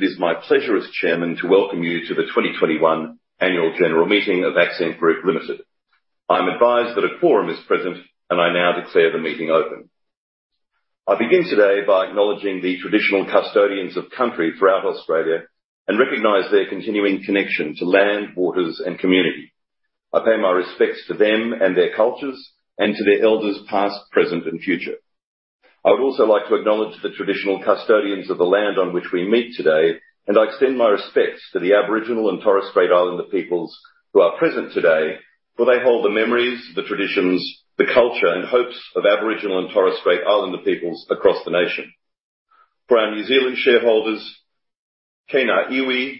It is my pleasure as chairman to welcome you to the 2021 Annual General Meeting of Accent Group Limited. I'm advised that a quorum is present, and I now declare the meeting open. I begin today by acknowledging the traditional custodians of country throughout Australia and recognize their continuing connection to land, waters, and community. I pay my respects to them and their cultures and to their elders past, present, and future. I would also like to acknowledge the traditional custodians of the land on which we meet today, and I extend my respects to the Aboriginal and Torres Strait Islander peoples who are present today, for they hold the memories, the traditions, the culture, and hopes of Aboriginal and Torres Strait Islander peoples across the nation. For our New Zealand shareholders, Today's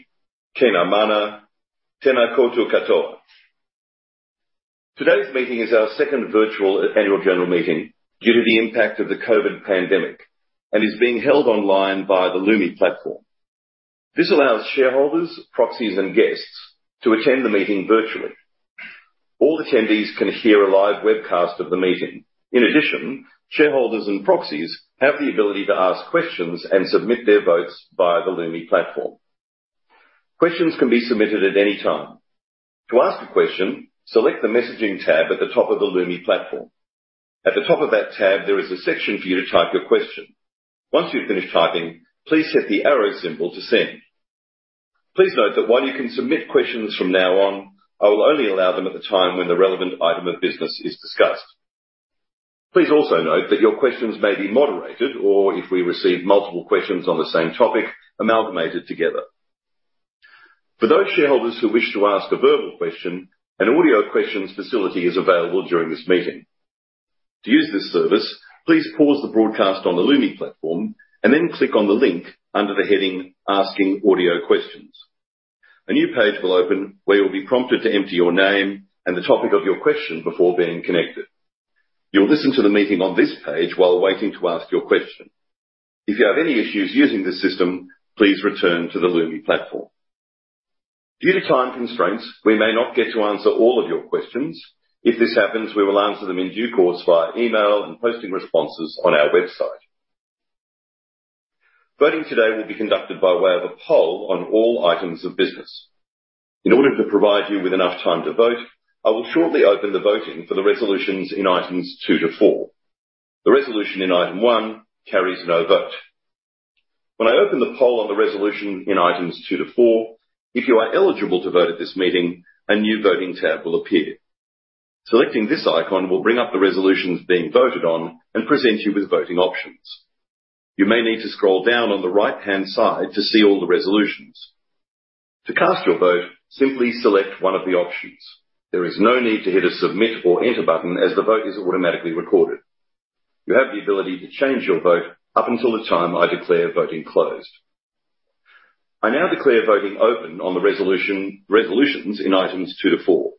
meeting is our second virtual annual general meeting due to the impact of the COVID pandemic and is being held online by the Lumi platform. This allows shareholders, proxies, and guests to attend the meeting virtually. All attendees can hear a live webcast of the meeting. In addition, shareholders and proxies have the ability to ask questions and submit their votes via the Lumi platform. Questions can be submitted at any time. To ask a question, select the messaging tab at the top of the Lumi platform. At the top of that tab, there is a section for you to type your question. Once you've finished typing, please hit the arrow symbol to send. Please note that while you can submit questions from now on, I will only allow them at the time when the relevant item of business is discussed. Please also note that your questions may be moderated or, if we receive multiple questions on the same topic, amalgamated together. For those shareholders who wish to ask a verbal question, an audio questions facility is available during this meeting. To use this service, please pause the broadcast on the Lumi platform and then click on the link under the heading Asking Audio Questions. A new page will open where you'll be prompted to enter your name and the topic of your question before being connected. You'll listen to the meeting on this page while waiting to ask your question. If you have any issues using this system, please return to the Lumi platform. Due to time constraints, we may not get to answer all of your questions. If this happens, we will answer them in due course via email and posting responses on our website. Voting today will be conducted by way of a poll on all items of business. In order to provide you with enough time to vote, I will shortly open the voting for the resolutions in items two to four. The resolution in item 1 carries no vote. When I open the poll on the resolution in items two to four, if you are eligible to vote at this meeting, a new voting tab will appear. Selecting this icon will bring up the resolutions being voted on and present you with voting options. You may need to scroll down on the right-hand side to see all the resolutions. To cast your vote, simply select one of the options. There is no need to hit a submit or enter button as the vote is automatically recorded. You have the ability to change your vote up until the time I declare voting closed. I now declare voting open on the resolutions in items two to four.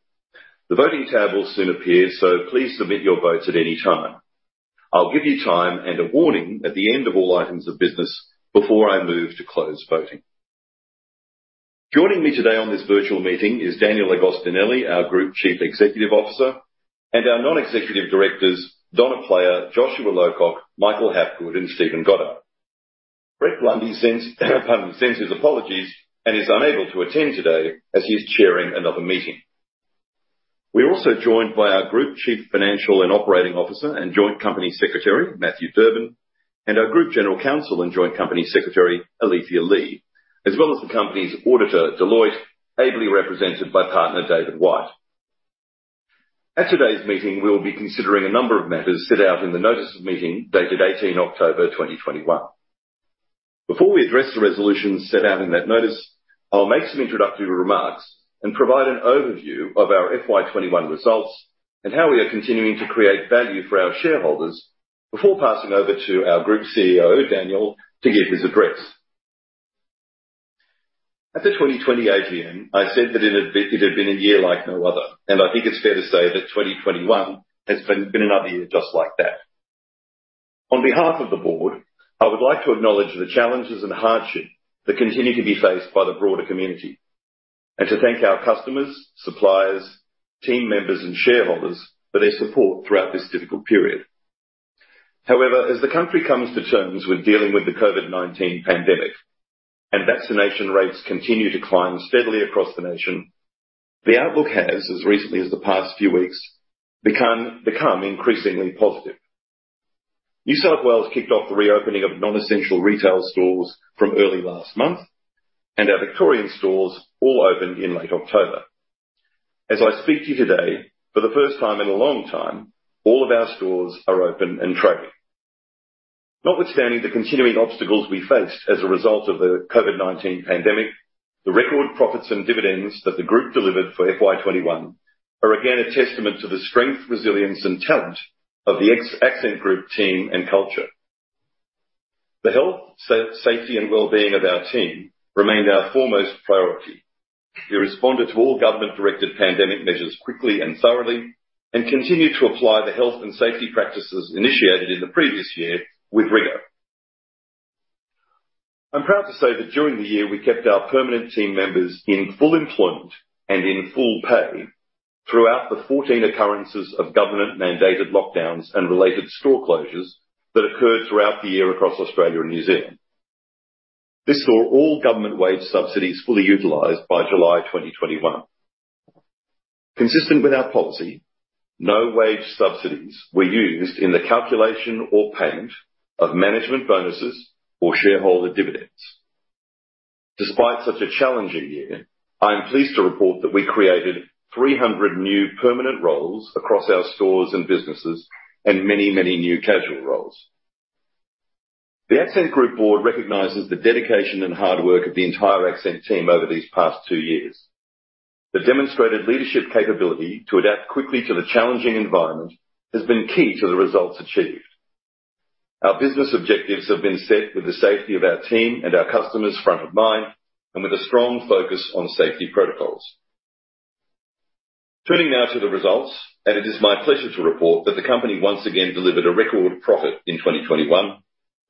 The voting tab will soon appear, so please submit your votes at any time. I'll give you time and a warning at the end of all items of business before I move to close voting. Joining me today on this virtual meeting is Daniel Agostinelli, our Group Chief Executive Officer, and our non-executive directors, Donna Player, Joshua Lowcock, Michael Hapgood, and Stephen Goddard. Brett Blundy sends his apologies and is unable to attend today as he is chairing another meeting. We're also joined by our Group Chief Financial and Operating Officer and Joint Company Secretary, Matthew Durbin, and our Group General Counsel and Joint Company Secretary, Alethea Lee, as well as the company's auditor, Deloitte, ably represented by Partner David White. At today's meeting, we will be considering a number of matters set out in the notice of meeting dated 18 October 2021. Before we address the resolutions set out in that notice, I'll make some introductory remarks and provide an overview of our FY 2021 results and how we are continuing to create value for our shareholders before passing over to our Group CEO, Daniel, to give his address. At the 2020 AGM, I said that it had been a year like no other, and I think it's fair to say that 2021 has been another year just like that. On behalf of the board, I would like to acknowledge the challenges and hardship that continue to be faced by the broader community and to thank our customers, suppliers, team members, and shareholders for their support throughout this difficult period. However, as the country comes to terms with dealing with the COVID-19 pandemic and vaccination rates continue to climb steadily across the nation, the outlook has, as recently as the past few weeks, become increasingly positive. New South Wales kicked off the reopening of non-essential retail stores from early last month, and our Victorian stores all opened in late October. As I speak to you today, for the first time in a long time, all of our stores are open and trading. Notwithstanding the continuing obstacles we faced as a result of the COVID-19 pandemic, the record profits and dividends that the group delivered for FY 2021 are again a testament to the strength, resilience, and talent of the Accent Group team and culture. The health, safety, and well-being of our team remained our foremost priority. We responded to all government-directed pandemic measures quickly and thoroughly and continued to apply the health and safety practices initiated in the previous year with rigor. I'm proud to say that during the year we kept our permanent team members in full employment and in full pay. Throughout the 14 occurrences of government-mandated lockdowns and related store closures that occurred throughout the year across Australia and New Zealand. This saw all government wage subsidies fully utilized by July 2021. Consistent with our policy, no wage subsidies were used in the calculation or payment of management bonuses or shareholder dividends. Despite such a challenging year, I am pleased to report that we created 300 new permanent roles across our stores and businesses and many, many new casual roles. The Accent Group board recognizes the dedication and hard work of the entire Accent team over these past two years. The demonstrated leadership capability to adapt quickly to the challenging environment has been key to the results achieved. Our business objectives have been set with the safety of our team and our customers front of mind, with a strong focus on safety protocols. Turning now to the results, it is my pleasure to report that the company once again delivered a record profit in 2021.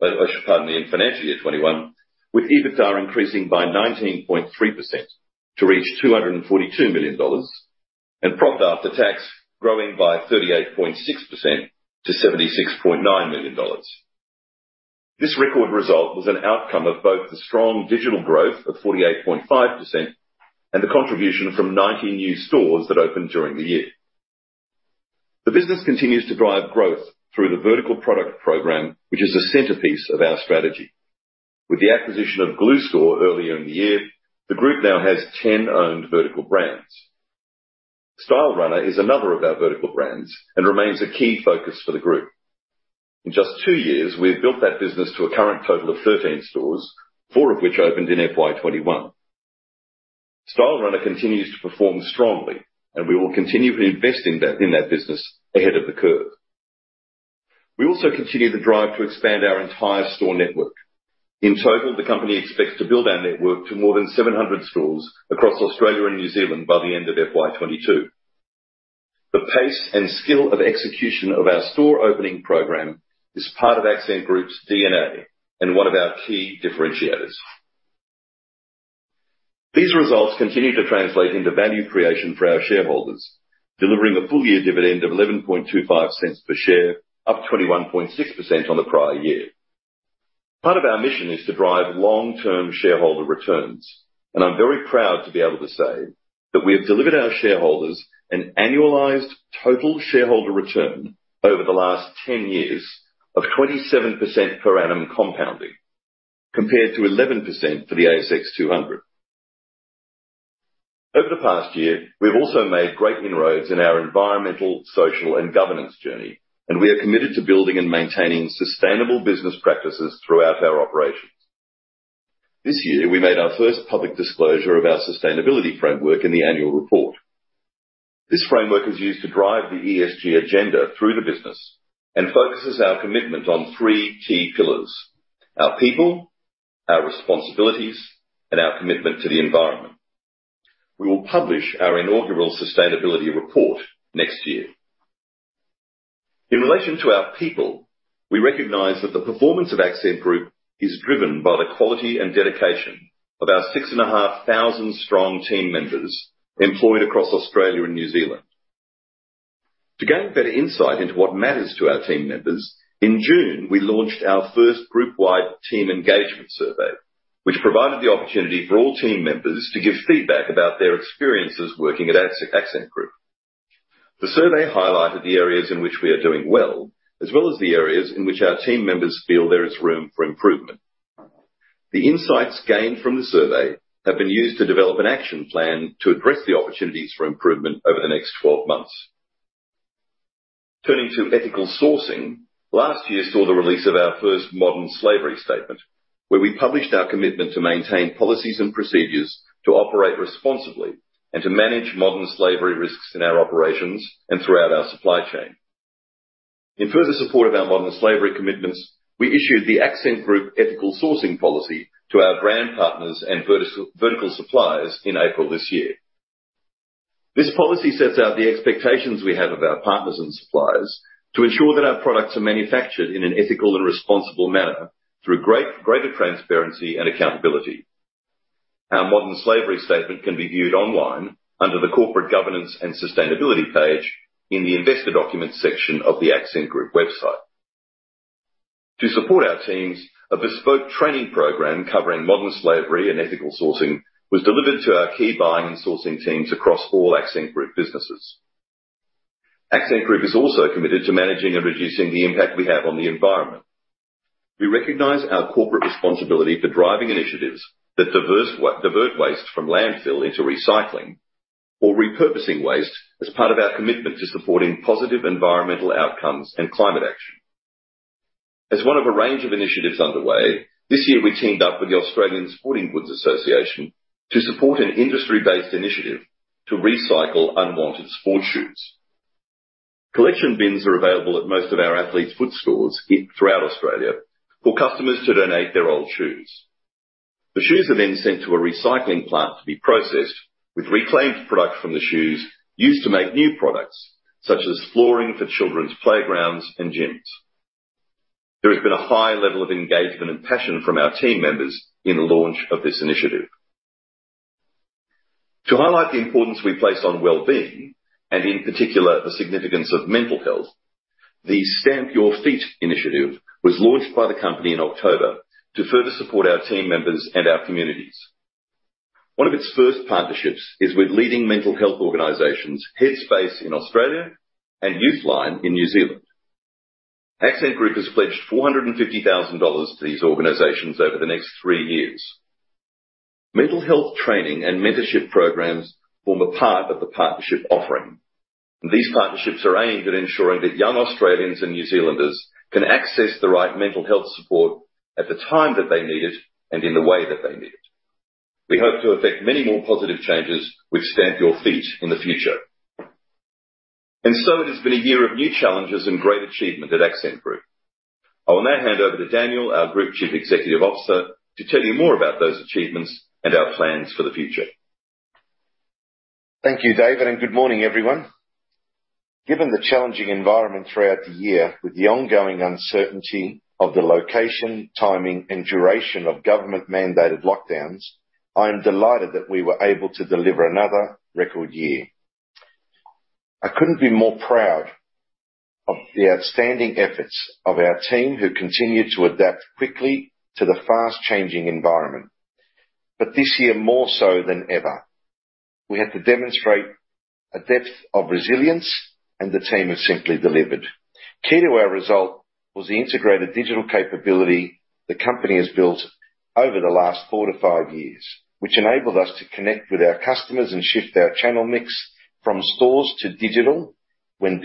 In FY 2021, EBITDA increased by 19.3% to reach AUD 242 million and profit after tax grew by 38.6% to 76.9 million dollars. This record result was an outcome of both the strong digital growth of 48.5% and the contribution from 19 new stores that opened during the year. The business continues to drive growth through the vertical product program, which is the centerpiece of our strategy. With the acquisition of Glue Store earlier in the year, the group now has 10 owned vertical brands. Stylerunner is another of our vertical brands and remains a key focus for the group. In just two years, we have built that business to a current total of 13 stores, four of which opened in FY 2021. Stylerunner continues to perform strongly, and we will continue to invest in that business ahead of the curve. We also continue the drive to expand our entire store network. In total, the company expects to build our network to more than 700 stores across Australia and New Zealand by the end of FY 2022. The pace and skill of execution of our store opening program is part of Accent Group's DNA and one of our key differentiators. These results continue to translate into value creation for our shareholders, delivering a full-year dividend of 0.1125 per share, up 21.6% on the prior year. Part of our mission is to drive long-term shareholder returns, and I'm very proud to be able to say that we have delivered our shareholders an annualized total shareholder return over the last 10 years of 27% per annum compounding, compared to 11% for the ASX 200. Over the past year, we have also made great inroads in our environmental, social, and governance journey, and we are committed to building and maintaining sustainable business practices throughout our operations. This year, we made our first public disclosure of our sustainability framework in the annual report. This framework is used to drive the ESG agenda through the business and focuses our commitment on three key pillars, our people, our responsibilities, and our commitment to the environment. We will publish our inaugural sustainability report next year. In relation to our people, we recognize that the performance of Accent Group is driven by the quality and dedication of our 6,500-strong team members employed across Australia and New Zealand. To gain better insight into what matters to our team members, in June, we launched our first group-wide team engagement survey, which provided the opportunity for all team members to give feedback about their experiences working at Accent Group. The survey highlighted the areas in which we are doing well, as well as the areas in which our team members feel there is room for improvement. The insights gained from the survey have been used to develop an action plan to address the opportunities for improvement over the next 12 months. Turning to ethical sourcing, last year saw the release of our first modern slavery statement, where we published our commitment to maintain policies and procedures to operate responsibly and to manage modern slavery risks in our operations and throughout our supply chain. In further support of our modern slavery commitments, we issued the Accent Group Ethical Sourcing Policy to our brand partners and vertical suppliers in April this year. This policy sets out the expectations we have of our partners and suppliers to ensure that our products are manufactured in an ethical and responsible manner through greater transparency and accountability. Our modern slavery statement can be viewed online under the Corporate Governance and Sustainability page in the Investor Documents section of the Accent Group website. To support our teams, a bespoke training program covering modern slavery and ethical sourcing was delivered to our key buying and sourcing teams across all Accent Group businesses. Accent Group is also committed to managing and reducing the impact we have on the environment. We recognize our corporate responsibility for driving initiatives that divert waste from landfill into recycling or repurposing waste as part of our commitment to supporting positive environmental outcomes and climate action. As one of a range of initiatives underway, this year, we teamed up with the Australian Sporting Goods Association to support an industry-based initiative to recycle unwanted sports shoes. Collection bins are available at most of our Athlete's Foot stores throughout Australia for customers to donate their old shoes. The shoes are then sent to a recycling plant to be processed with reclaimed products from the shoes used to make new products such as flooring for children's playgrounds and gyms. There has been a high level of engagement and passion from our team members in the launch of this initiative. To highlight the importance we place on well-being, and in particular, the significance of mental health, the Stamp Your Feet initiative was launched by the company in October to further support our team members and our communities. One of its first partnerships is with leading mental health organizations, Headspace in Australia and Youthline in New Zealand. Accent Group has pledged 450,000 dollars to these organizations over the next three years. Mental health training and mentorship programs form a part of the partnership offering. These partnerships are aimed at ensuring that young Australians and New Zealanders can access the right mental health support at the time that they need it and in the way that they need it. We hope to affect many more positive changes with Stamp Your Feet in the future. It has been a year of new challenges and great achievement at Accent Group. I will now hand over to Daniel, our Group Chief Executive Officer, to tell you more about those achievements and our plans for the future. Thank you, David, and good morning, everyone. Given the challenging environment throughout the year with the ongoing uncertainty of the location, timing, and duration of government-mandated lockdowns, I am delighted that we were able to deliver another record year. I couldn't be more proud of the outstanding efforts of our team who continued to adapt quickly to the fast-changing environment. This year, more so than ever, we had to demonstrate a depth of resilience, and the team has simply delivered. Key to our result was the integrated digital capability the company has built over the last four to five years, which enabled us to connect with our customers and shift our channel mix from stores to digital when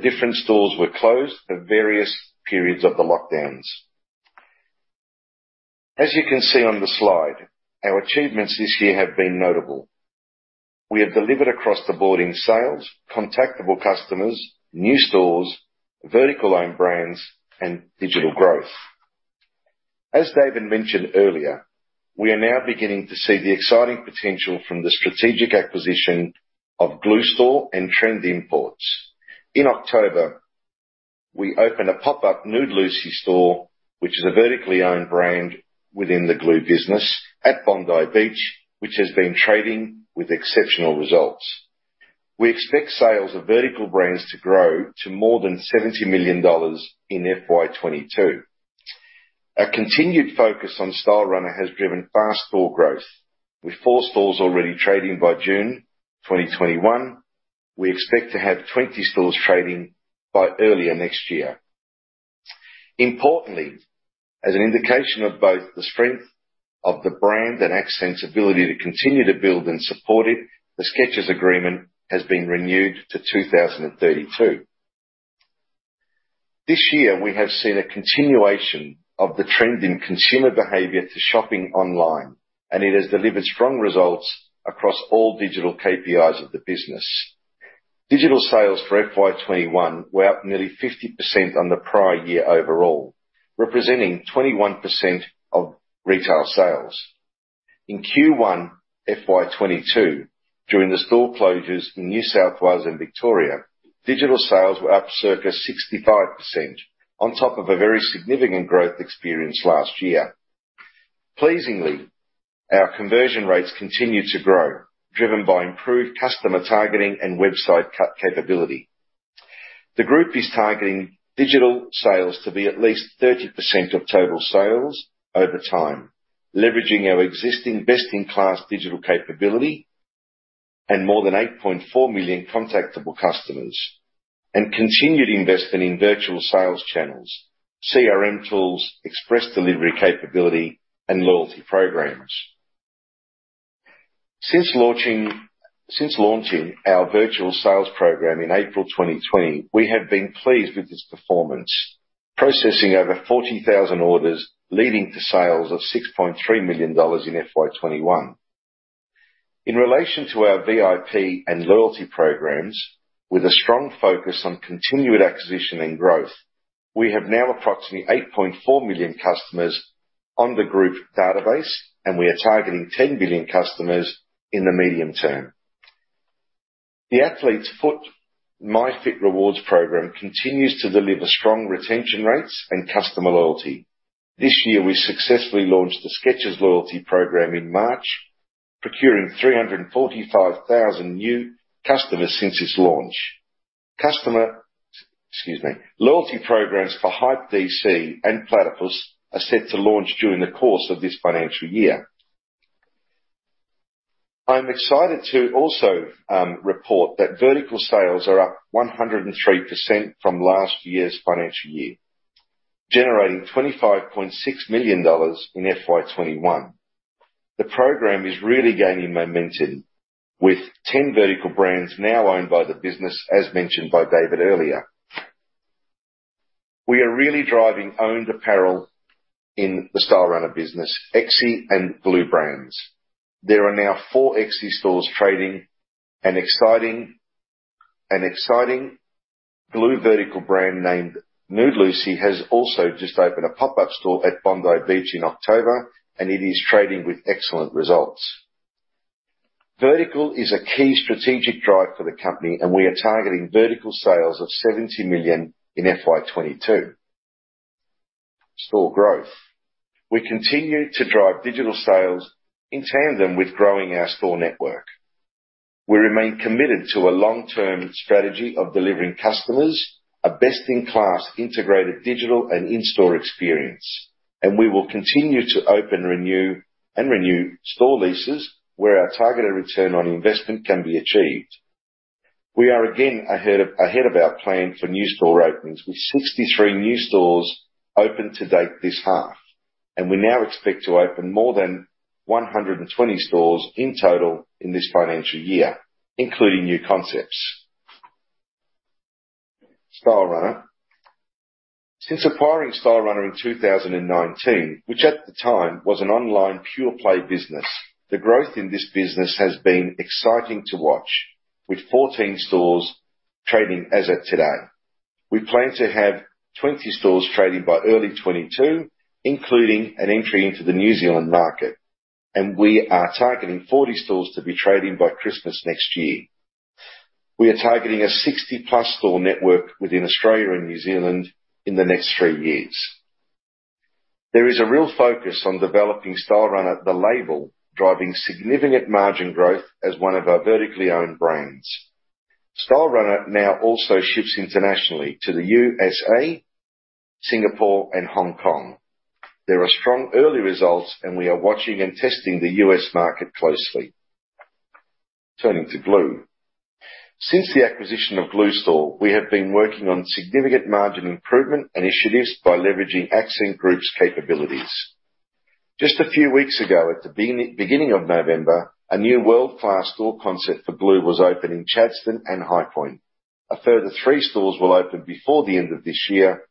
different stores were closed for various periods of the lockdowns. As you can see on the slide, our achievements this year have been notable. We have delivered across the board in sales, contactable customers, new stores, vertically owned brands, and digital growth. As David mentioned earlier, we are now beginning to see the exciting potential from the strategic acquisition of Glue Store and Trend Imports. In October, we opened a pop-up Nude Lucy store, which is a vertically owned brand within the Glue business at Bondi Beach, which has been trading with exceptional results. We expect sales of vertical brands to grow to more than 70 million dollars in FY 2022. Our continued focus on Stylerunner has driven fast store growth. With four stores already trading by June 2021, we expect to have 20 stores trading by early next year. Importantly, as an indication of both the strength of the brand and Accent's ability to continue to build and support it, the Skechers agreement has been renewed to 2032. This year, we have seen a continuation of the trend in consumer behavior to shopping online, and it has delivered strong results across all digital KPIs of the business. Digital sales for FY 2021 were up nearly 50% on the prior year overall, representing 21% of retail sales. In Q1 FY 2022, during the store closures in New South Wales and Victoria, digital sales were up circa 65% on top of a very significant growth experienced last year. Pleasingly, our conversion rates continued to grow, driven by improved customer targeting and website capability. The group is targeting digital sales to be at least 30% of total sales over time, leveraging our existing best-in-class digital capability and more than 8.4 million contactable customers and continued investment in virtual sales channels, CRM tools, express delivery capability, and loyalty programs. Since launching our virtual sales program in April 2020, we have been pleased with its performance, processing over 40,000 orders, leading to sales of 6.3 million dollars in FY 2021. In relation to our VIP and loyalty programs, with a strong focus on continued acquisition and growth, we have now approximately 8.4 million customers on the group database, and we are targeting 10 million customers in the medium term. The Athlete's Foot MyFit Rewards program continues to deliver strong retention rates and customer loyalty. This year, we successfully launched the Skechers loyalty program in March, procuring 345,000 new customers since its launch. Loyalty programs for Hype DC and Platypus are set to launch during the course of this financial year. I'm excited to also report that vertical sales are up 103% from last year's financial year, generating 25.6 million dollars in FY 2021. The program is really gaining momentum with 10 vertical brands now owned by the business, as mentioned by David earlier. We are really driving owned apparel in the Stylerunner business, Exie and Glue Brands. There are now four Exie stores trading. An exciting Glue vertical brand named Nude Lucy has also just opened a pop-up store at Bondi Beach in October, and it is trading with excellent results. Vertical is a key strategic drive for the company, and we are targeting vertical sales of 70 million in FY 2022. Store growth. We continue to drive digital sales in tandem with growing our store network. We remain committed to a long-term strategy of delivering customers a best-in-class integrated digital and in-store experience, and we will continue to open, renew, and renew store leases where our targeted return on investment can be achieved. We are again ahead of our plan for new store openings, with 63 new stores open to date this half, and we now expect to open more than 120 stores in total in this financial year, including new concepts, Stylerunner. Since acquiring Stylerunner in 2019, which at the time was an online pure play business, the growth in this business has been exciting to watch with 14 stores trading as at today. We plan to have 20 stores trading by early 2022, including an entry into the New Zealand market, and we are targeting 40 stores to be trading by Christmas next year. We are targeting a 60+ store network within Australia and New Zealand in the next three years. There is a real focus on developing Stylerunner, the label, driving significant margin growth as one of our vertically owned brands. Stylerunner now also ships internationally to the USA, Singapore and Hong Kong. There are strong early results, and we are watching and testing the U.S. market closely. Turning to Glue. Since the acquisition of Glue Store, we have been working on significant margin improvement initiatives by leveraging Accent Group's capabilities. Just a few weeks ago, at the beginning of November, a new world-class store concept for Glue was opened in Chadstone and Highpoint. A further three stores will open before the end of this year,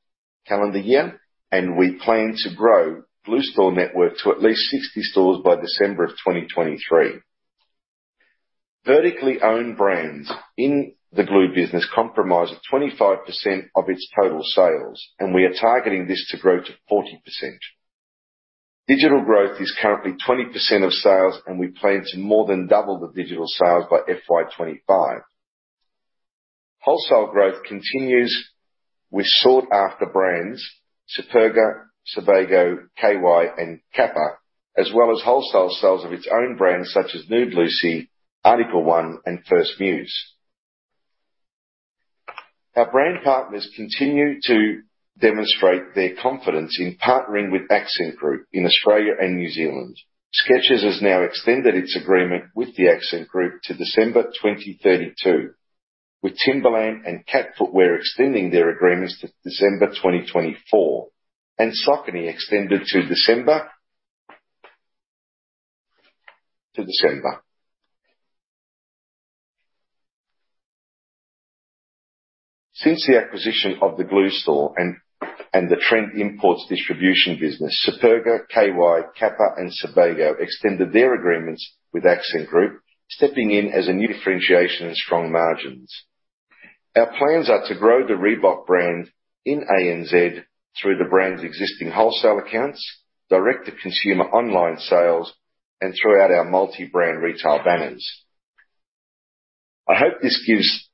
calendar year, and we plan to grow Glue store network to at least 60 stores by December of 2023. Vertically owned brands in the Glue business comprise 25% of its total sales, and we are targeting this to grow to 40%. Digital growth is currently 20% of sales and we plan to more than double the digital sales by FY 2025. Wholesale growth continues with sought-after brands Superga, Sebago, K-Way and Kappa, as well as wholesale sales of its own brands such as Nude Lucy, Article One and First Muse. Our brand partners continue to demonstrate their confidence in partnering with Accent Group in Australia and New Zealand. Skechers has now extended its agreement with the Accent Group to December 2032, with Timberland and CAT Footwear extending their agreements to December 2024 and Saucony extended to December. Since the acquisition of the Glue Store and the Trend Imports distribution business, Superga, K-Way, Kappa and Sebago extended their agreements with Accent Group, stepping in as a new differentiation and strong margins. Our plans are to grow the Reebok brand in ANZ through the brand's existing wholesale accounts, direct-to-consumer online sales, and throughout our multi-brand retail banners. I hope this gives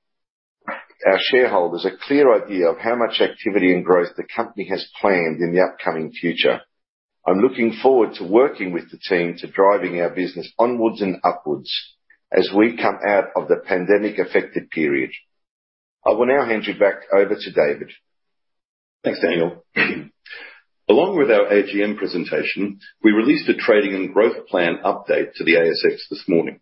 our shareholders a clear idea of how much activity and growth the company has planned in the upcoming future. I'm looking forward to working with the team to drive our business onwards and upwards as we come out of the pandemic-affected period. I will now hand you back over to David. Thanks, Daniel. Along with our AGM presentation, we released a trading and growth plan update to the ASX this morning.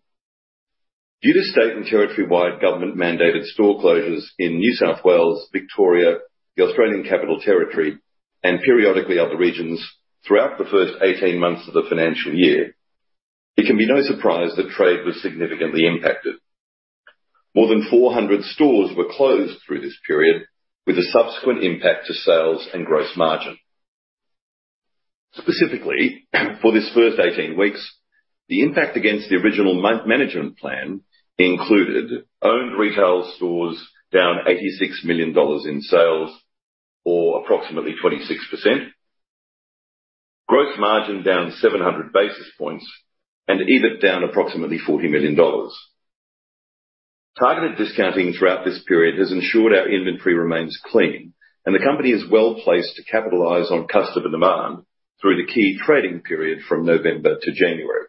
Due to state and territory-wide government-mandated store closures in New South Wales, Victoria, the Australian Capital Territory, and periodically other regions throughout the first 18 months of the financial year, it can be no surprise that trade was significantly impacted. More than 400 stores were closed through this period with a subsequent impact to sales and gross margin. Specifically, for this first 18 weeks, the impact against the original management plan included owned retail stores down 86 million dollars in sales or approximately 26%. Gross margin down 700 basis points and EBIT down approximately 40 million dollars. Targeted discounting throughout this period has ensured our inventory remains clean and the company is well-placed to capitalize on customer demand through the key trading period from November to January.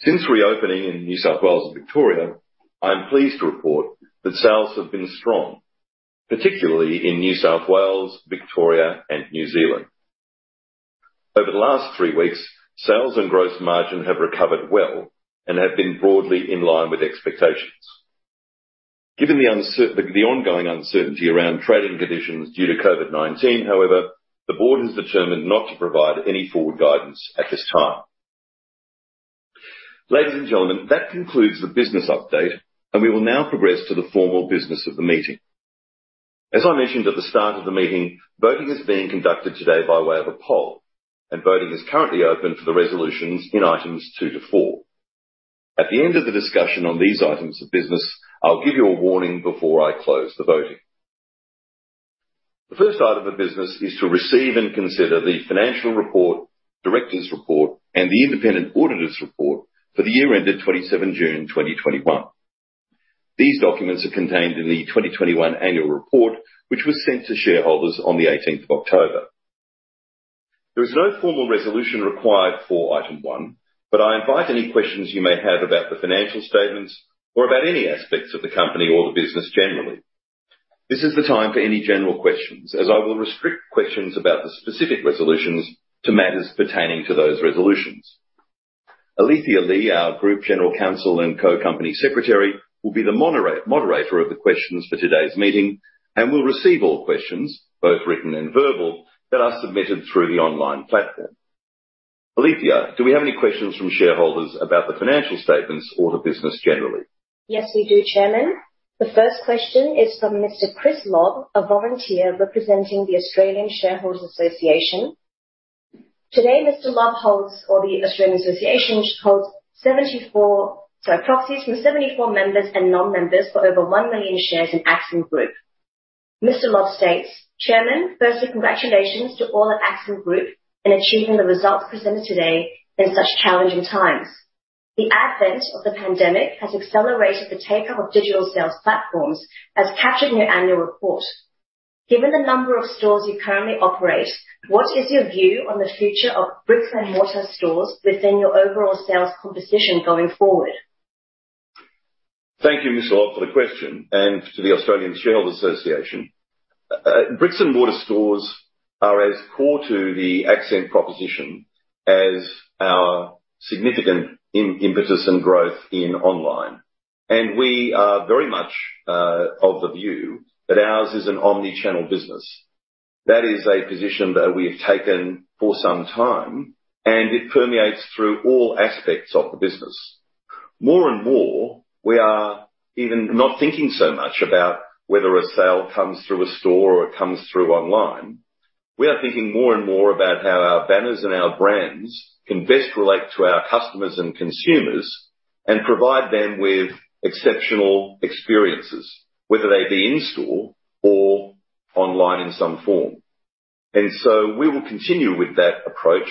Since reopening in New South Wales and Victoria, I am pleased to report that sales have been strong, particularly in New South Wales, Victoria and New Zealand. Over the last three weeks, sales and gross margin have recovered well and have been broadly in line with expectations. Given the ongoing uncertainty around trading conditions due to COVID-19, however, the board has determined not to provide any forward guidance at this time. Ladies and gentlemen, that concludes the business update, and we will now progress to the formal business of the meeting. As I mentioned at the start of the meeting, voting is being conducted today by way of a poll, and voting is currently open for the resolutions in items two to four. At the end of the discussion on these items of business, I'll give you a warning before I close the voting. The first item of business is to receive and consider the financial report, directors' report, and the independent auditor's report for the year ended 27 June 2021. These documents are contained in the 2021 annual report, which was sent to shareholders on 18 October. There is no formal resolution required for item one, but I invite any questions you may have about the financial statements or about any aspects of the company or the business generally. This is the time for any general questions, as I will restrict questions about the specific resolutions to matters pertaining to those resolutions. Alethea Lee, our Group General Counsel and Joint Company Secretary, will be the moderator of the questions for today's meeting and will receive all questions, both written and verbal, that are submitted through the online platform. Alethea, do we have any questions from shareholders about the financial statements or the business generally? Yes, we do, Chairman. The first question is from Mr. Chris Lobb, a volunteer representing the Australian Shareholders' Association. Today, the Australian Shareholders' Association holds 74 proxies from 74 members and non-members for over 1 million shares in Accent Group. Mr. Lobb states, "Chairman, firstly, congratulations to all at Accent Group in achieving the results presented today in such challenging times. The advent of the pandemic has accelerated the take-up of digital sales platforms, as captured in your annual report. Given the number of stores you currently operate, what is your view on the future of bricks and mortar stores within your overall sales composition going forward? Thank you, Mr. Lobb, for the question and to the Australian Shareholders' Association. Bricks and mortar stores are as core to the Accent proposition as our significant impetus and growth in online. We are very much of the view that ours is an omni-channel business. That is a position that we have taken for some time, and it permeates through all aspects of the business. More and more, we are even not thinking so much about whether a sale comes through a store or it comes through online. We are thinking more and more about how our banners and our brands can best relate to our customers and consumers and provide them with exceptional experiences, whether they be in store or online in some form. We will continue with that approach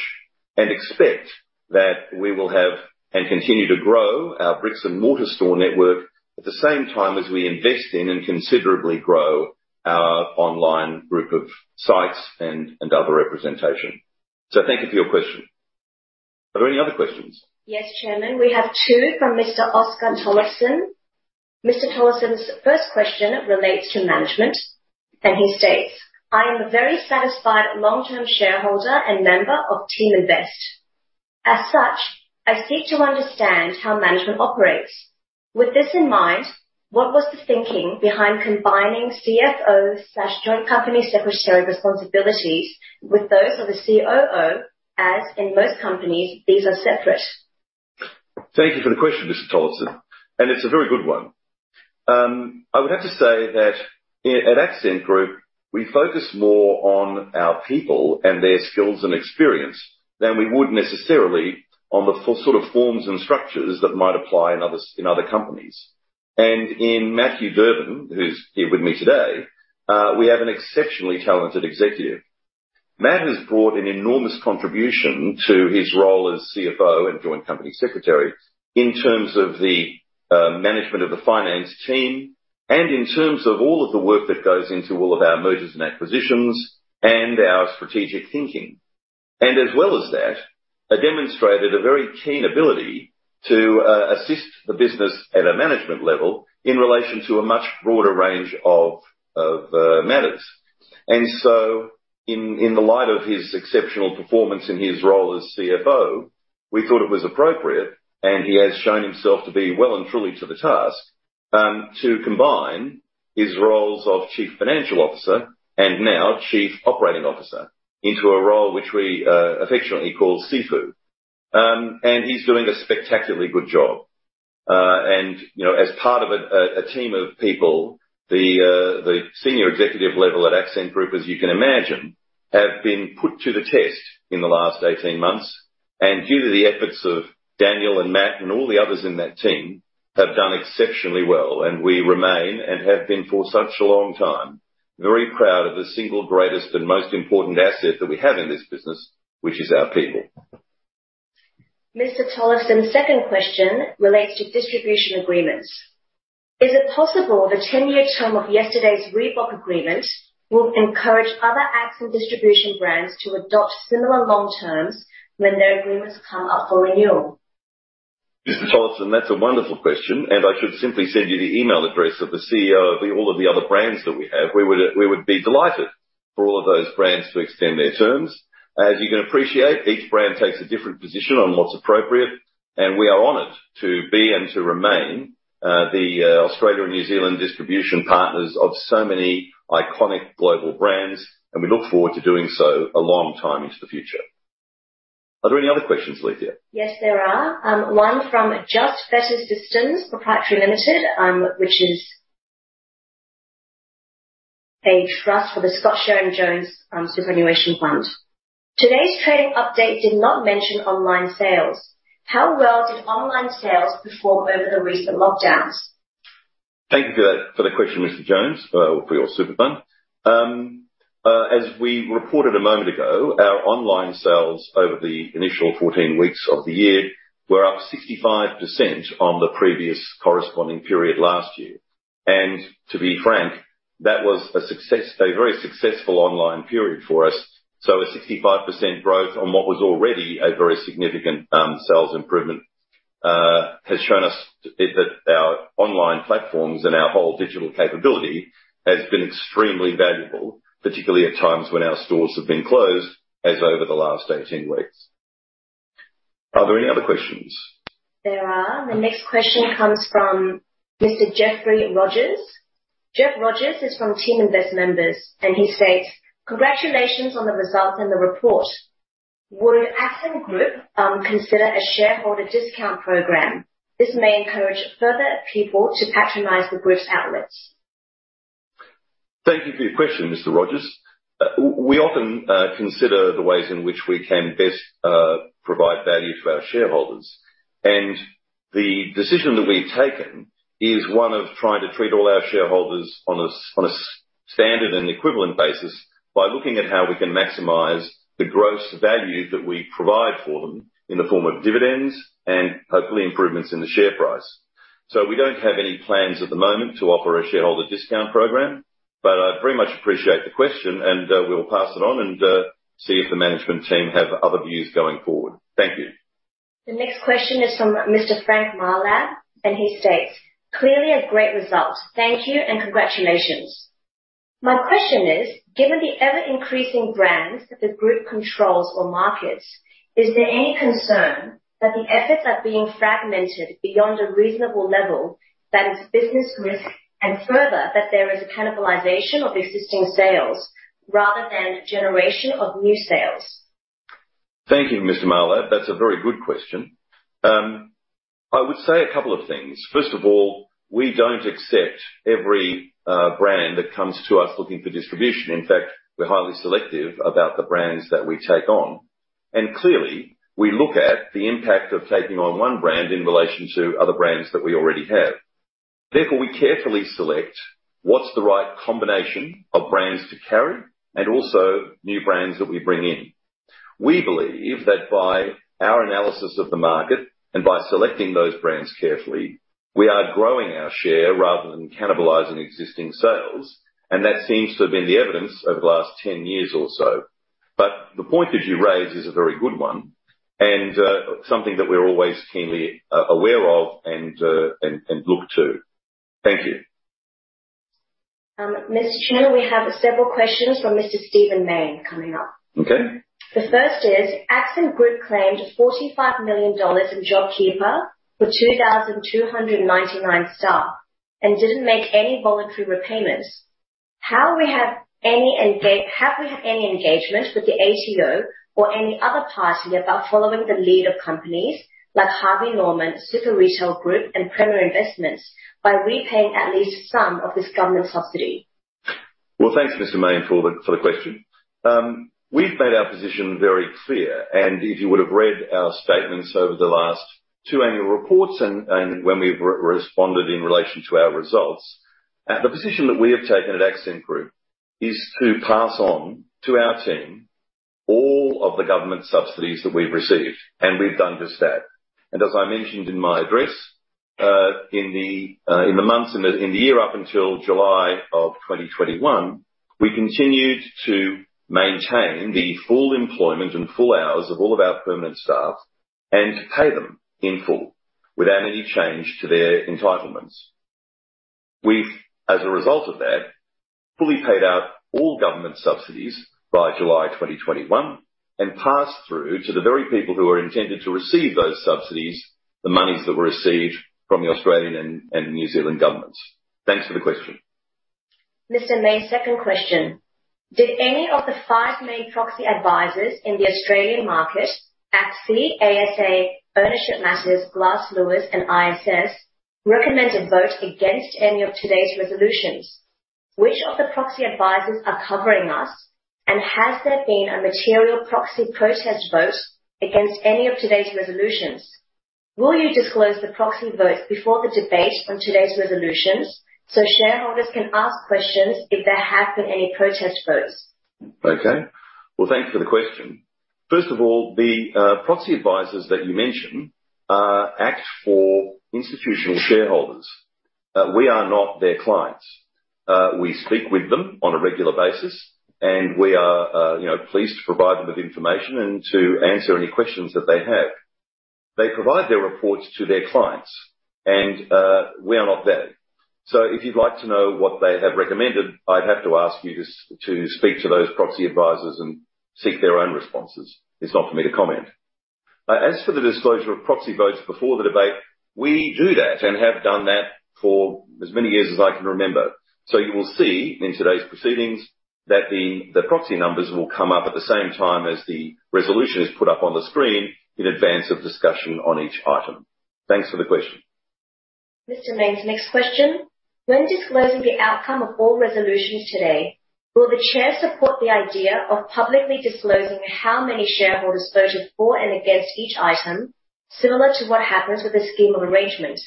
and expect that we will have and continue to grow our bricks and mortar store network at the same time as we invest in and considerably grow our online group of sites and other representation. Thank you for your question. Are there any other questions? Yes, Chairman. We have two from Mr. Oscar Tollison. Mr. Tollison's first question relates to management, and he states, "I am a very satisfied long-term shareholder and member of Teaminvest. As such, I seek to understand how management operates. With this in mind, what was the thinking behind combining CFO/joint company secretary responsibilities with those of the COO? As in most companies, these are separate. Thank you for the question, Mr. Tollison, and it's a very good one. I would have to say that at Accent Group, we focus more on our people and their skills and experience than we would necessarily on the formal sort of forms and structures that might apply in others, in other companies. In Matthew Durbin, who's here with me today, we have an exceptionally talented executive. Matt has brought an enormous contribution to his role as CFO and joint company secretary in terms of the management of the finance team and in terms of all of the work that goes into all of our mergers and acquisitions and our strategic thinking. As well as that, have demonstrated a very keen ability to assist the business at a management level in relation to a much broader range of matters. In the light of his exceptional performance in his role as CFO, we thought it was appropriate, and he has shown himself to be well and truly up to the task, to combine his roles of Chief Financial Officer and now Chief Operating Officer into a role which we affectionately call CFOO. He's doing a spectacularly good job. You know, as part of a team of people, the senior executive level at Accent Group, as you can imagine, have been put to the test in the last 18 months. Due to the efforts of Daniel and Matt and all the others in that team, they have done exceptionally well. We remain, and have been for such a long time, very proud of the single greatest and most important asset that we have in this business, which is our people. Mr. Tollison's second question relates to distribution agreements. Is it possible the 10-year term of yesterday's Reebok agreement will encourage other Accent distribution brands to adopt similar long terms when their agreements come up for renewal? Mr. Tollison, that's a wonderful question, and I should simply send you the email address of the CEO of all of the other brands that we have. We would be delighted for all of those brands to extend their terms. As you can appreciate, each brand takes a different position on what's appropriate, and we are honored to be and to remain the Australia and New Zealand distribution partners of so many iconic global brands, and we look forward to doing so a long time into the future. Are there any other questions, Alethea? Yes, there are. One from Just Better Systems Pty Ltd, which is a trust for the Scott [Charon] Jones superannuation fund. Today's trading update did not mention online sales. How well did online sales perform over the recent lockdowns? Thank you for that, for the question, Mr. Jones, for your super fund. As we reported a moment ago, our online sales over the initial 14 weeks of the year were up 65% on the previous corresponding period last year. To be frank, that was a success, a very successful online period for us. A 65% growth on what was already a very significant sales improvement has shown us that our online platforms and our whole digital capability has been extremely valuable, particularly at times when our stores have been closed, as over the last 18 weeks. Are there any other questions? There are. The next question comes from Mr. Jeffrey Rogers. Jeff Rogers is from Teaminvest members, and he states, "Congratulations on the results in the report. Would Accent Group consider a shareholder discount program? This may encourage further people to patronize the group's outlets. Thank you for your question, Mr. Rogers. We often consider the ways in which we can best provide value to our shareholders. The decision that we've taken is one of trying to treat all our shareholders on a standard and equivalent basis by looking at how we can maximize the gross value that we provide for them in the form of dividends and hopefully improvements in the share price. We don't have any plans at the moment to offer a shareholder discount program, but I very much appreciate the question and we'll pass it on and see if the management team have other views going forward. Thank you. The next question is from Mr. Frank Malab, and he states, "Clearly a great result. Thank you and congratulations. My question is, given the ever-increasing brands that the group controls or markets, is there any concern that the efforts are being fragmented beyond a reasonable level that is business risk, and further, that there is a cannibalization of existing sales rather than generation of new sales? Thank you, Mr. Malab. That's a very good question. I would say a couple of things. First of all, we don't accept every brand that comes to us looking for distribution. In fact, we're highly selective about the brands that we take on. Clearly, we look at the impact of taking on one brand in relation to other brands that we already have. Therefore, we carefully select what's the right combination of brands to carry and also new brands that we bring in. We believe that by our analysis of the market and by selecting those brands carefully, we are growing our share rather than cannibalizing existing sales, and that seems to have been the evidence over the last 10 years or so. The point that you raise is a very good one and something that we're always keenly aware of and look to. Thank you. Mr. Chair, we have several questions from Mr. Stephen Mayne coming up. Okay. The first is Accent Group claimed 45 million dollars in JobKeeper for 2,299 staff and didn't make any voluntary repayments. Have we had any engagement with the ATO or any other party about following the lead of companies like Harvey Norman, Super Retail Group and Premier Investments by repaying at least some of this government subsidy? Well, thanks, Mr. Mayne, for the question. We've made our position very clear, and if you would have read our statements over the last two annual reports and when we've responded in relation to our results, the position that we have taken at Accent Group is to pass on to our team all of the government subsidies that we've received, and we've done just that. As I mentioned in my address, in the months in the year up until July 2021, we continued to maintain the full employment and full hours of all of our permanent staff and pay them in full without any change to their entitlements. We've, as a result of that, fully paid out all government subsidies by July 2021 and passed through to the very people who were intended to receive those subsidies, the monies that were received from the Australian and New Zealand governments. Thanks for the question. Mr. Mayne's second question: Did any of the five main proxy advisors in the Australian market, ACSI, ASA, Ownership Matters, Glass Lewis and ISS, recommend a vote against any of today's resolutions? Which of the proxy advisors are covering us? And has there been a material proxy protest vote against any of today's resolutions? Will you disclose the proxy votes before the debate on today's resolutions so shareholders can ask questions if there have been any protest votes? Okay. Well, thank you for the question. First of all, the proxy advisors that you mentioned act for institutional shareholders. We are not their clients. We speak with them on a regular basis, and we are, you know, pleased to provide them with information and to answer any questions that they have. They provide their reports to their clients and we are not that. So if you'd like to know what they have recommended, I'd have to ask you to speak to those proxy advisors and seek their own responses. It's not for me to comment. As for the disclosure of proxy votes before the debate, we do that and have done that for as many years as I can remember. You will see in today's proceedings that the proxy numbers will come up at the same time as the resolution is put up on the screen in advance of discussion on each item. Thanks for the question. Mr. Mayne's next question. When disclosing the outcome of all resolutions today, will the chair support the idea of publicly disclosing how many shareholders voted for and against each item, similar to what happens with the scheme of arrangement?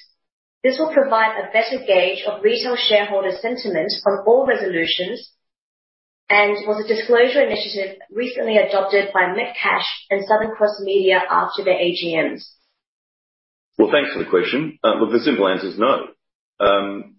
This will provide a better gauge of retail shareholder sentiment on all resolutions and was a disclosure initiative recently adopted by Metcash and Southern Cross Media after their AGMs. Well, thanks for the question. Well, the simple answer is no. An